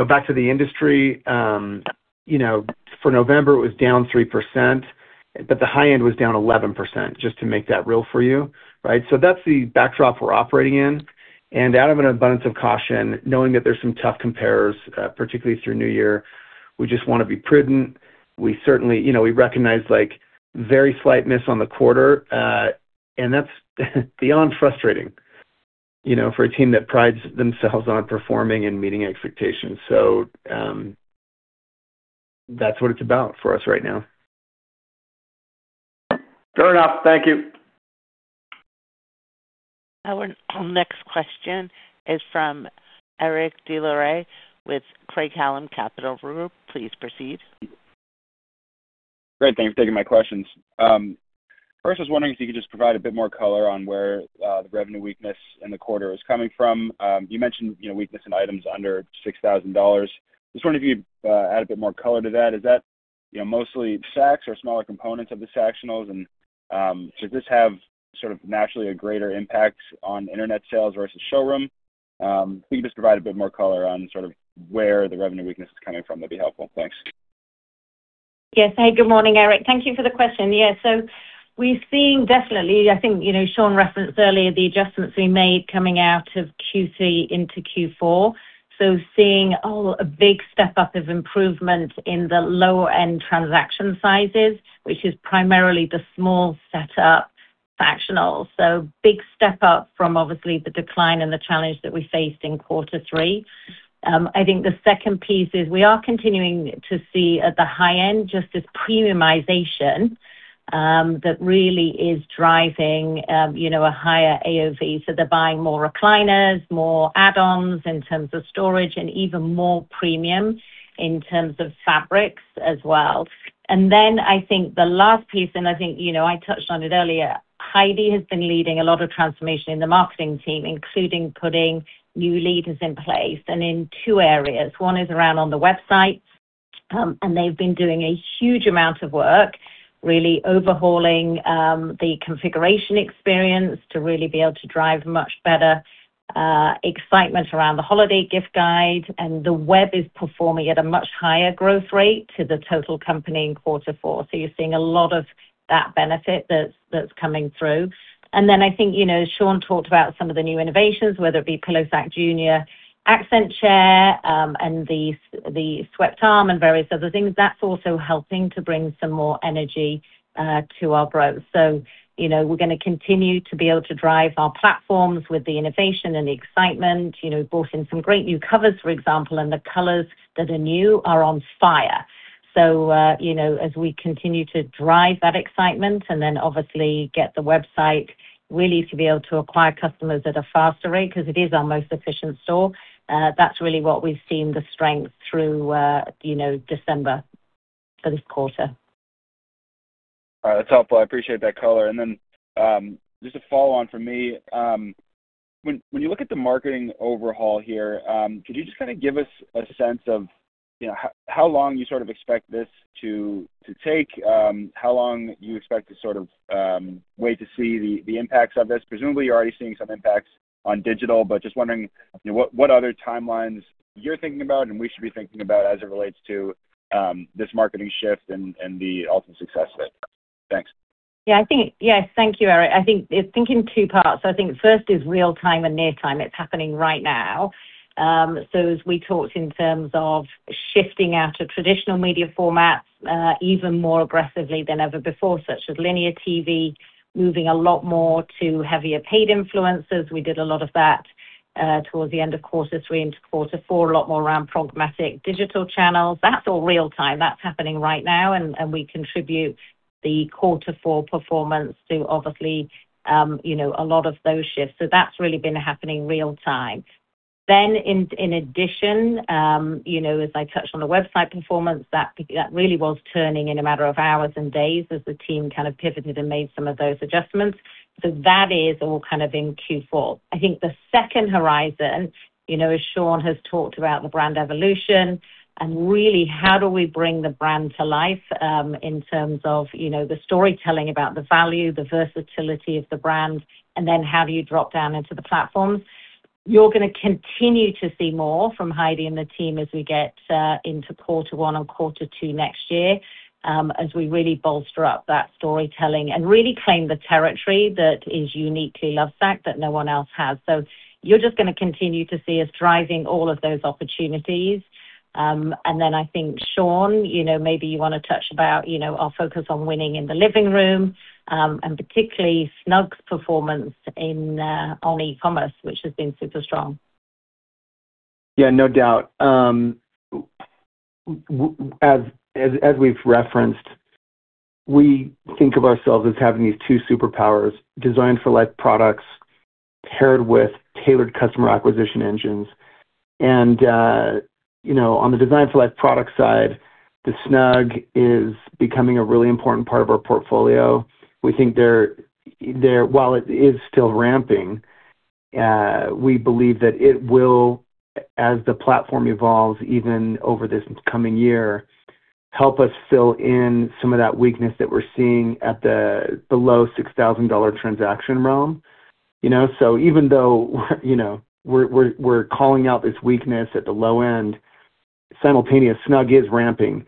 Speaker 3: Back to the industry, for November, it was down 3%, but the high end was down 11%, just to make that real for you, right? So that's the backdrop we're operating in. And out of an abundance of caution, knowing that there's some tough comparisons, particularly through New Year, we just want to be prudent. We certainly recognize very slight miss on the quarter, and that's beyond frustrating for a team that prides themselves on performing and meeting expectations. So that's what it's about for us right now.
Speaker 7: Fair enough. Thank you.
Speaker 1: Our next question is from Eric Des Lauriers with Craig-Hallum Capital Group. Please proceed.
Speaker 8: Great. Thanks for taking my questions. First, I was wondering if you could just provide a bit more color on where the revenue weakness in the quarter is coming from. You mentioned weakness in items under $6,000. I just wondered if you could add a bit more color to that. Is that mostly Sacs or smaller components of the Sactionals? And does this have sort of naturally a greater impact on internet sales versus showroom? If you could just provide a bit more color on sort of where the revenue weakness is coming from, that'd be helpful. Thanks.
Speaker 4: Yes. Hey, good morning, Eric. Thank you for the question. Yeah. So we've seen definitely, I think Shawn referenced earlier, the adjustments we made coming out of Q3 into Q4. So seeing a big step up of improvement in the lower-end transaction sizes, which is primarily the small setup Sactionals. So big step up from obviously the decline and the challenge that we faced in quarter three. I think the second piece is we are continuing to see at the high end just this premiumization that really is driving a higher AOV, so they're buying more recliners, more add-ons in terms of storage, and even more premium in terms of fabrics as well, and then I think the last piece, and I think I touched on it earlier, Heidi has been leading a lot of transformation in the marketing team, including putting new leaders in place and in two areas, one is around on the websites, and they've been doing a huge amount of work, really overhauling the configuration experience to really be able to drive much better excitement around the holiday gift guide, and the web is performing at a much higher growth rate to the total company in quarter four, so you're seeing a lot of that benefit that's coming through. Then I think Shawn talked about some of the new innovations, whether it be PillowSac Chair Jr, Accent Chair, and the Swept Arm and various other things. That's also helping to bring some more energy to our growth. We're going to continue to be able to drive our platforms with the innovation and the excitement. We've bought in some great new covers, for example, and the colors that are new are on fire. As we continue to drive that excitement and then obviously get the website really to be able to acquire customers at a faster rate because it is our most efficient store, that's really what we've seen the strength through December for this quarter.
Speaker 8: All right. That's helpful. I appreciate that color. Then just a follow-on from me. When you look at the marketing overhaul here, could you just kind of give us a sense of how long you sort of expect this to take, how long you expect to sort of wait to see the impacts of this? Presumably, you're already seeing some impacts on digital, but just wondering what other timelines you're thinking about and we should be thinking about as it relates to this marketing shift and the ultimate success of it. Thanks.
Speaker 4: Yeah. Yes. Thank you, Eric. I think it's in two parts. I think first is real-time and near-time. It's happening right now. So as we talked in terms of shifting out of traditional media formats even more aggressively than ever before, such as linear TV, moving a lot more to heavily paid influencers. We did a lot of that towards the end of quarter three into quarter four, a lot more around programmatic digital channels. That's all real-time. That's happening right now, and we contribute the quarter four performance to obviously a lot of those shifts. So that's really been happening real-time. Then, in addition, as I touched on the website performance, that really was turning in a matter of hours and days as the team kind of pivoted and made some of those adjustments. So that is all kind of in Q4. I think the second horizon, as Shawn has talked about, the brand evolution and really how do we bring the brand to life in terms of the storytelling about the value, the versatility of the brand, and then how do you drop down into the platforms. You're going to continue to see more from Heidi and the team as we get into quarter one and quarter two next year as we really bolster up that storytelling and really claim the territory that is uniquely Lovesac that no one else has, so you're just going to continue to see us driving all of those opportunities, and then I think, Shawn, maybe you want to touch about our focus on winning in the living room and particularly Snugg's performance on e-commerce, which has been super strong.
Speaker 3: Yeah, no doubt. As we've referenced, we think of ourselves as having these two superpowers, Designed For Life products paired with tailored customer acquisition engines, and Designed For Life product side, the Snugg is becoming a really important part of our portfolio. We think that while it is still ramping, we believe that it will, as the platform evolves even over this coming year, help us fill in some of that weakness that we're seeing at the below $6,000 transaction realm. So even though we're calling out this weakness at the low end, simultaneously Snugg is ramping.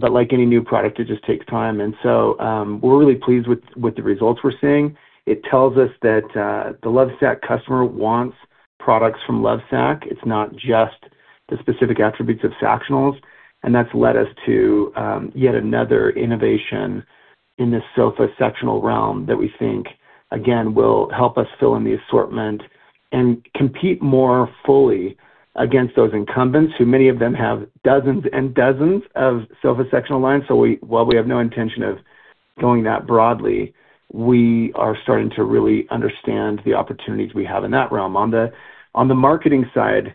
Speaker 3: But like any new product, it just takes time. And so we're really pleased with the results we're seeing. It tells us that the Lovesac customer wants products from Lovesac. It's not just the specific attributes of Sactionals. And that's led us to yet another innovation in the sofa Sactionals realm that we think, again, will help us fill in the assortment and compete more fully against those incumbents who many of them have dozens and dozens of sofa Sactionals lines. So while we have no intention of going that broadly, we are starting to really understand the opportunities we have in that realm. On the marketing side,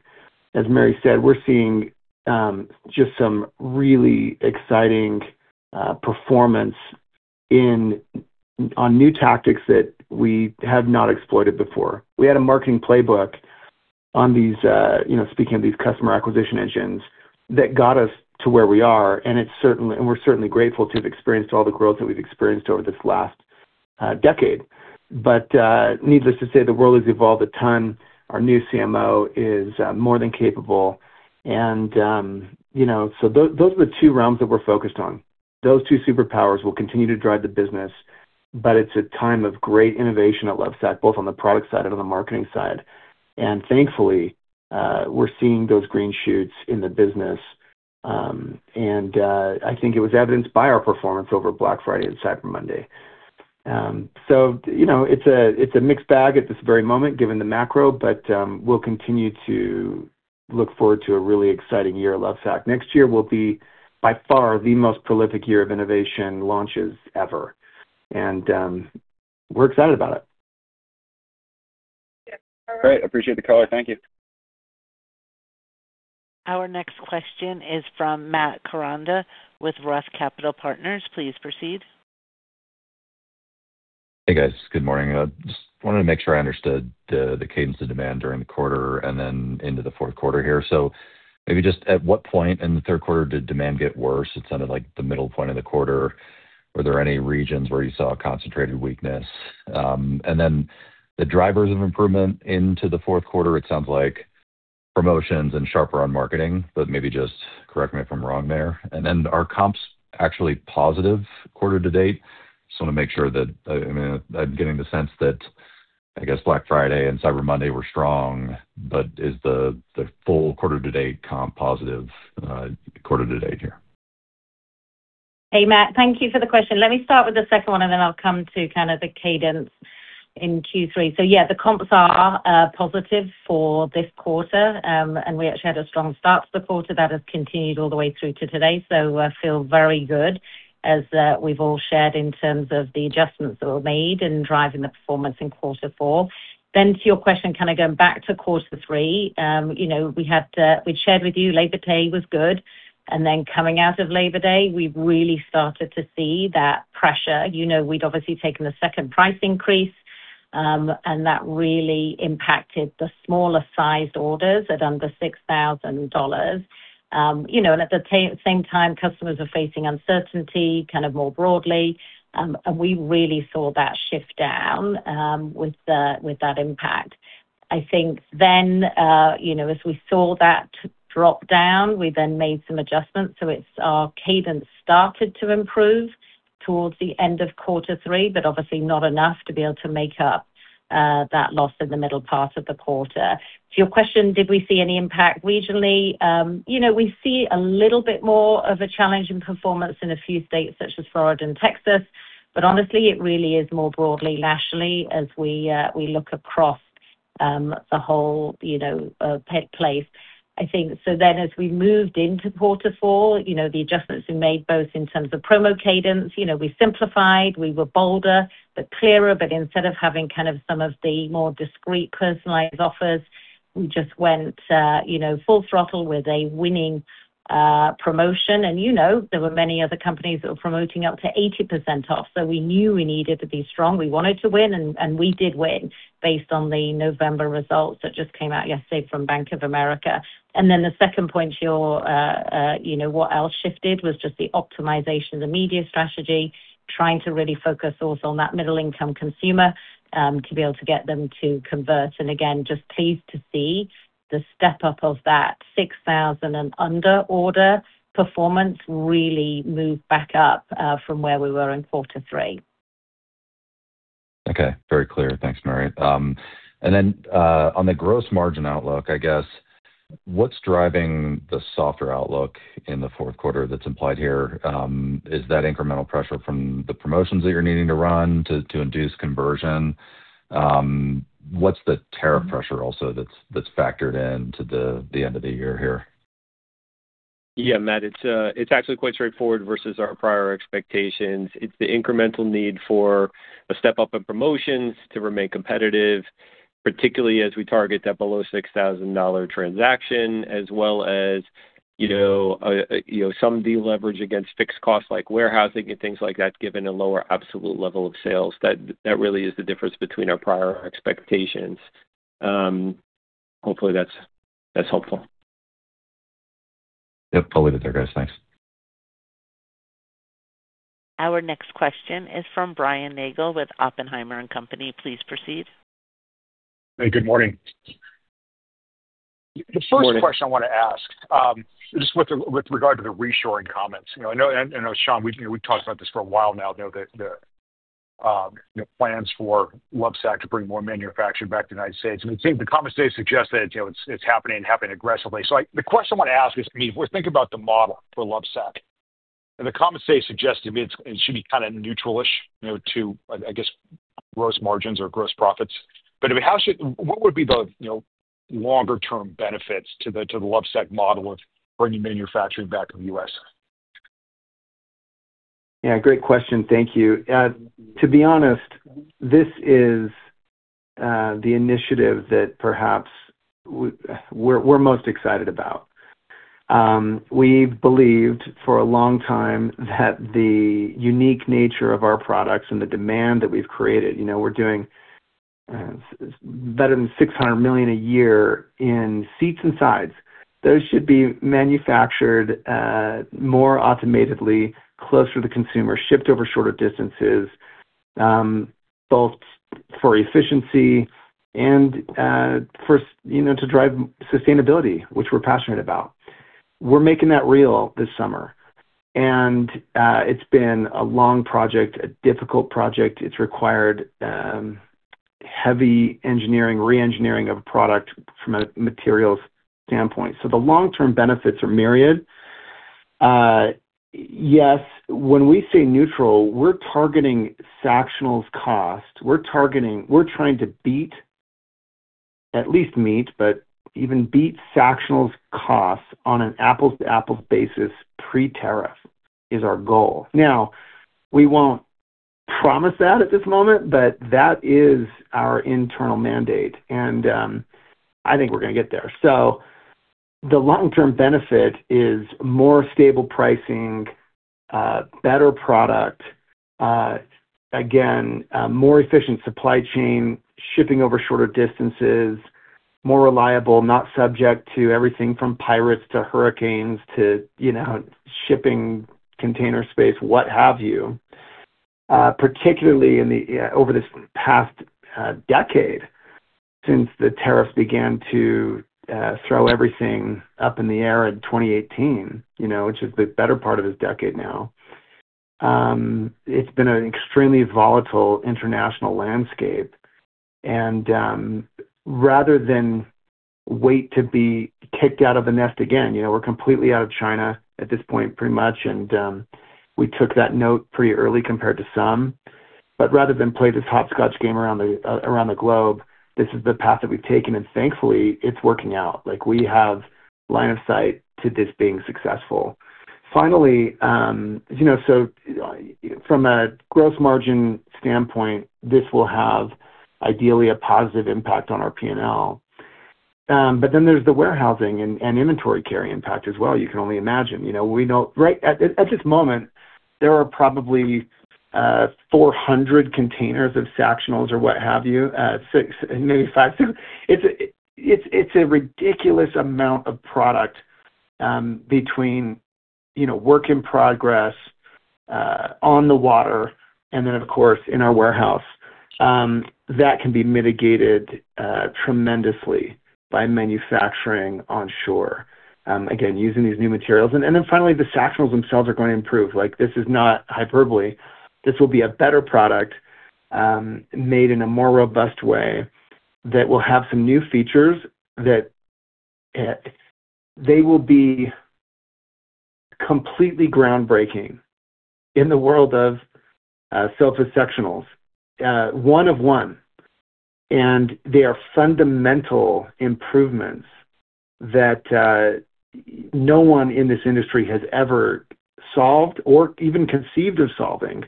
Speaker 3: as Mary said, we're seeing just some really exciting performance on new tactics that we have not exploited before. We had a marketing playbook on these, speaking of these customer acquisition engines, that got us to where we are. And we're certainly grateful to have experienced all the growth that we've experienced over this last decade. But needless to say, the world has evolved a ton. Our new CMO is more than capable. And so those are the two realms that we're focused on. Those two superpowers will continue to drive the business, but it's a time of great innovation at Lovesac, both on the product side and on the marketing side. And thankfully, we're seeing those green shoots in the business. And I think it was evidenced by our performance over Black Friday and Cyber Monday. So it's a mixed bag at this very moment given the macro, but we'll continue to look forward to a really exciting year at Lovesac. Next year will be, by far, the most prolific year of innovation launches ever. And we're excited about it.
Speaker 8: All right. Great. I appreciate the color. Thank you.
Speaker 1: Our next question is from Matt Koranda with Roth Capital Partners. Please proceed.
Speaker 9: Hey, guys. Good morning. Just wanted to make sure I understood the cadence of demand during the quarter and then into the fourth quarter here. So maybe just at what point in the third quarter did demand get worse? It sounded like the middle point of the quarter. Were there any regions where you saw concentrated weakness? And then the drivers of improvement into the fourth quarter. It sounds like promotions and sharper on marketing, but maybe just correct me if I'm wrong there. And then are comps actually positive quarter to date? Just want to make sure that I mean, I'm getting the sense that, I guess, Black Friday and Cyber Monday were strong, but is the full quarter-to-date comp positive quarter-to-date here?
Speaker 4: Hey, Matt. Thank you for the question. Let me start with the second one, and then I'll come to kind of the cadence in Q3. So yeah, the comps are positive for this quarter, and we actually had a strong start to the quarter that has continued all the way through to today. So I feel very good, as we've all shared in terms of the adjustments that were made in driving the performance in quarter four. Then, to your question, kind of going back to quarter three, we shared with you Labor Day was good. And then coming out of Labor Day, we really started to see that pressure. We'd obviously taken a second price increase, and that really impacted the smaller-sized orders at under $6,000. And at the same time, customers are facing uncertainty kind of more broadly, and we really saw that shift down with that impact. I think then as we saw that drop down, we then made some adjustments. So our cadence started to improve towards the end of quarter three, but obviously not enough to be able to make up that loss in the middle part of the quarter. To your question, did we see any impact regionally? We see a little bit more of a challenge in performance in a few states such as Florida and Texas, but honestly, it really is more broadly nationally as we look across the whole place. I think so then as we moved into quarter four, the adjustments we made both in terms of promo cadence, we simplified. We were bolder but clearer, but instead of having kind of some of the more discreet personalized offers, we just went full throttle with a winning promotion, and there were many other companies that were promoting up to 80% off, so we knew we needed to be strong. We wanted to win, and we did win based on the November results that just came out yesterday from Bank of America. And then the second point here, what else shifted was just the optimization of the media strategy, trying to really focus also on that middle-income consumer to be able to get them to convert. And again, just pleased to see the step up of that $6,000 and under order performance really move back up from where we were in quarter three.
Speaker 9: Okay. Very clear. Thanks, Mary. And then on the gross margin outlook, I guess, what's driving the softer outlook in the fourth quarter that's implied here? Is that incremental pressure from the promotions that you're needing to run to induce conversion? What's the tariff pressure also that's factored into the end of the year here?
Speaker 5: Yeah, Matt, it's actually quite straightforward versus our prior expectations. It's the incremental need for a step up in promotions to remain competitive, particularly as we target that below $6,000 transaction, as well as some deleverage against fixed costs like warehousing and things like that, given a lower absolute level of sales. That really is the difference between our prior expectations. Hopefully, that's helpful.
Speaker 9: Yep. I'll leave it there, guys. Thanks.
Speaker 1: Our next question is from Brian Nagel with Oppenheimer & Co. Please proceed.
Speaker 10: Hey, good morning.
Speaker 5: Good morning.
Speaker 10: The first question I want to ask is just with regard to the reshoring comments. I know, Shawn, we've talked about this for a while now, the plans for Lovesac to bring more manufacturing back to the United States. It seems the comments today suggest that it's happening aggressively. So the question I want to ask is, I mean, if we're thinking about the model for Lovesac, and the comments today suggest to me it should be kind of neutral-ish to, I guess, gross margins or gross profits. But what would be the longer-term benefits to the Lovesac model of bringing manufacturing back to the U.S.?
Speaker 3: Yeah. Great question. Thank you. To be honest, this is the initiative that perhaps we're most excited about. We believed for a long time that the unique nature of our products and the demand that we've created, we're doing better than 600 million a year in seats and sides, those should be manufactured more automatedly, closer to the consumer, shipped over shorter distances, both for efficiency and to drive sustainability, which we're passionate about. We're making that real this summer. And it's been a long project, a difficult project. It's required heavy engineering, re-engineering of a product from a materials standpoint, so the long-term benefits are myriad. Yes, when we say neutral, we're targeting Sactionals' cost. We're trying to beat, at least meet, but even beat Sactionals' costs on an apples-to-apples basis pre-tariff is our goal. Now, we won't promise that at this moment, but that is our internal mandate. And I think we're going to get there, so the long-term benefit is more stable pricing, better product, again, more efficient supply chain, shipping over shorter distances, more reliable, not subject to everything from pirates to hurricanes to shipping container space, what have you. Particularly over this past decade since the tariffs began to throw everything up in the air in 2018, which is the better part of this decade now, it's been an extremely volatile international landscape. And rather than wait to be kicked out of the nest again, we're completely out of China at this point, pretty much. And we took that note pretty early compared to some. But rather than play this hopscotch game around the globe, this is the path that we've taken. And thankfully, it's working out. We have line of sight to this being successful. Finally, so from a gross margin standpoint, this will have ideally a positive impact on our P&L. But then there's the warehousing and inventory carry impact as well. You can only imagine. Right at this moment, there are probably 400 containers of Sactionals or what have you, maybe five. It's a ridiculous amount of product between work in progress on the water and then, of course, in our warehouse. That can be mitigated tremendously by manufacturing onshore, again, using these new materials. Then finally, the Sactionals themselves are going to improve. This is not hyperbole. This will be a better product made in a more robust way that will have some new features that they will be completely groundbreaking in the world of sofa Sactionals, one of one. They are fundamental improvements that no one in this industry has ever solved or even conceived of solving.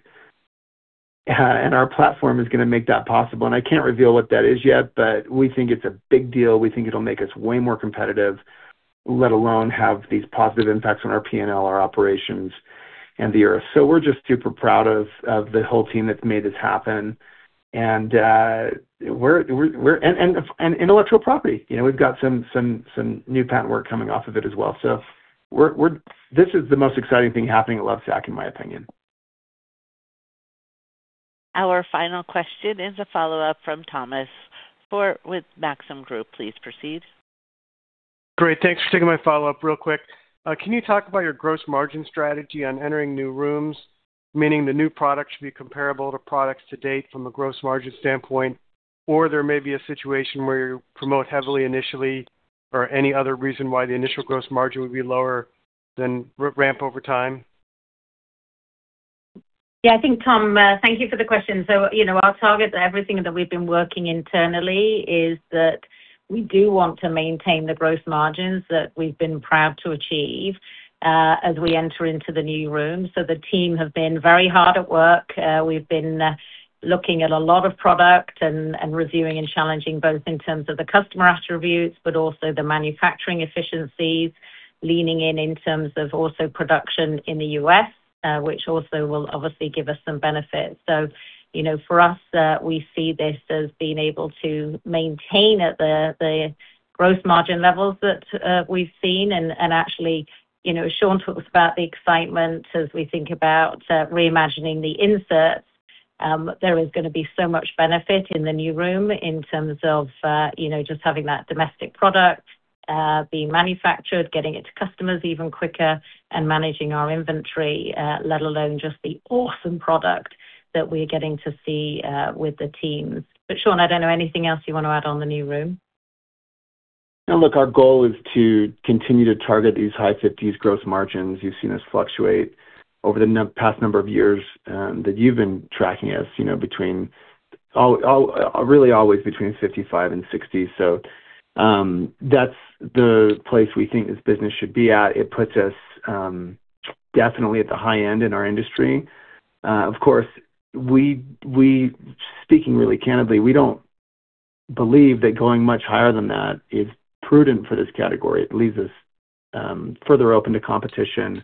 Speaker 3: Our platform is going to make that possible. I can't reveal what that is yet, but we think it's a big deal. We think it'll make us way more competitive, let alone have these positive impacts on our P&L, our operations, and the earth. We're just super proud of the whole team that's made this happen. And intellectual property. We've got some new patent work coming off of it as well. So this is the most exciting thing happening at Lovesac, in my opinion.
Speaker 1: Our final question is a follow-up from Thomas Forte with Maxim Group. Please proceed.
Speaker 6: Great. Thanks for taking my follow-up real quick. Can you talk about your gross margin strategy on entering new rooms, meaning the new product should be comparable to products to date from a gross margin standpoint, or there may be a situation where you promote heavily initially or any other reason why the initial gross margin would be lower than ramp over time?
Speaker 4: Yeah. I think, Tom, thank you for the question. So our target, everything that we've been working internally, is that we do want to maintain the gross margins that we've been proud to achieve as we enter into the new rooms. So the team have been very hard at work. We've been looking at a lot of product and reviewing and challenging both in terms of the customer attributes, but also the manufacturing efficiencies, leaning in terms of also production in the U.S., which also will obviously give us some benefits. So for us, we see this as being able to maintain at the gross margin levels that we've seen. And actually, Shawn talks about the excitement as we think about reimagining the inserts. There is going to be so much benefit in the new foam in terms of just having that domestic product being manufactured, getting it to customers even quicker, and managing our inventory, let alone just the awesome product that we're getting to see with the teams. But Shawn, I don't know anything else you want to add on the new foam.
Speaker 3: Look, our goal is to continue to target these high 50% gross margins you've seen us fluctuate over the past number of years that you've been tracking us, really always between 55% and 60%. So that's the place we think this business should be at. It puts us definitely at the high end in our industry. Of course, speaking really candidly, we don't believe that going much higher than that is prudent for this category. It leaves us further open to competition,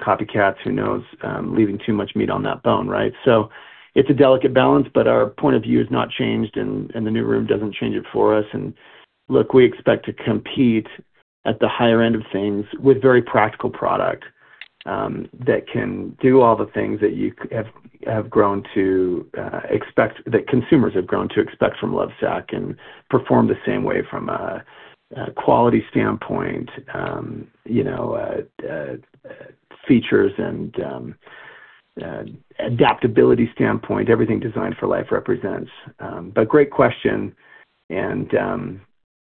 Speaker 3: copycats, who knows, leaving too much meat on that bone, right? So it's a delicate balance, but our point of view has not changed, and the new room doesn't change it for us. And look, we expect to compete at the higher end of things with very practical product that can do all the things that you have grown to expect, that consumers have grown to expect from Lovesac and perform the same way from a quality standpoint, features, and adaptability standpoint, everything Designed For Life represents. But great question. And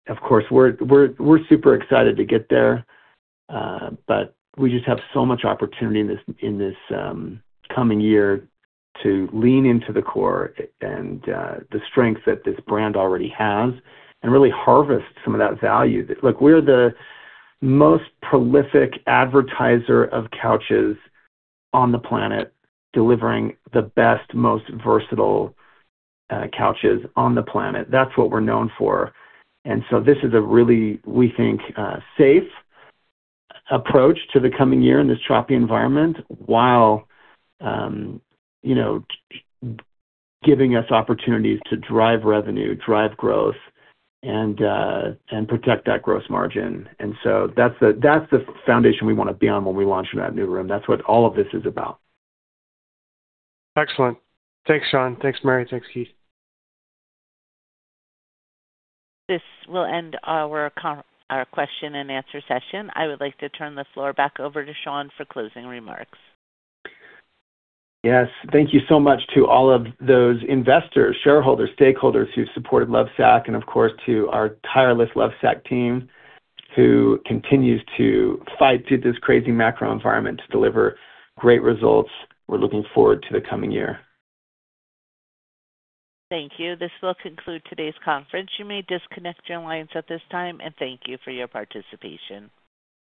Speaker 3: of course, we're super excited to get there, but we just have so much opportunity in this coming year to lean into the core and the strength that this brand already has and really harvest some of that value. Look, we're the most prolific advertiser of couches on the planet, delivering the best, most versatile couches on the planet. That's what we're known for. So this is a really, we think, safe approach to the coming year in this choppy environment while giving us opportunities to drive revenue, drive growth, and protect that gross margin. So that's the foundation we want to be on when we launch into that new room. That's what all of this is about.
Speaker 6: Excellent. Thanks, Shawn. Thanks, Mary. Thanks, Keith.
Speaker 1: This will end our question and answer session. I would like to turn the floor back over to Shawn for closing remarks.
Speaker 3: Yes. Thank you so much to all of those investors, shareholders, stakeholders who supported Lovesac, and of course, to our tireless Lovesac team who continues to fight through this crazy macro environment to deliver great results. We're looking forward to the coming year.
Speaker 1: Thank you. This will conclude today's conference. You may disconnect your lines at this time, and thank you for your participation.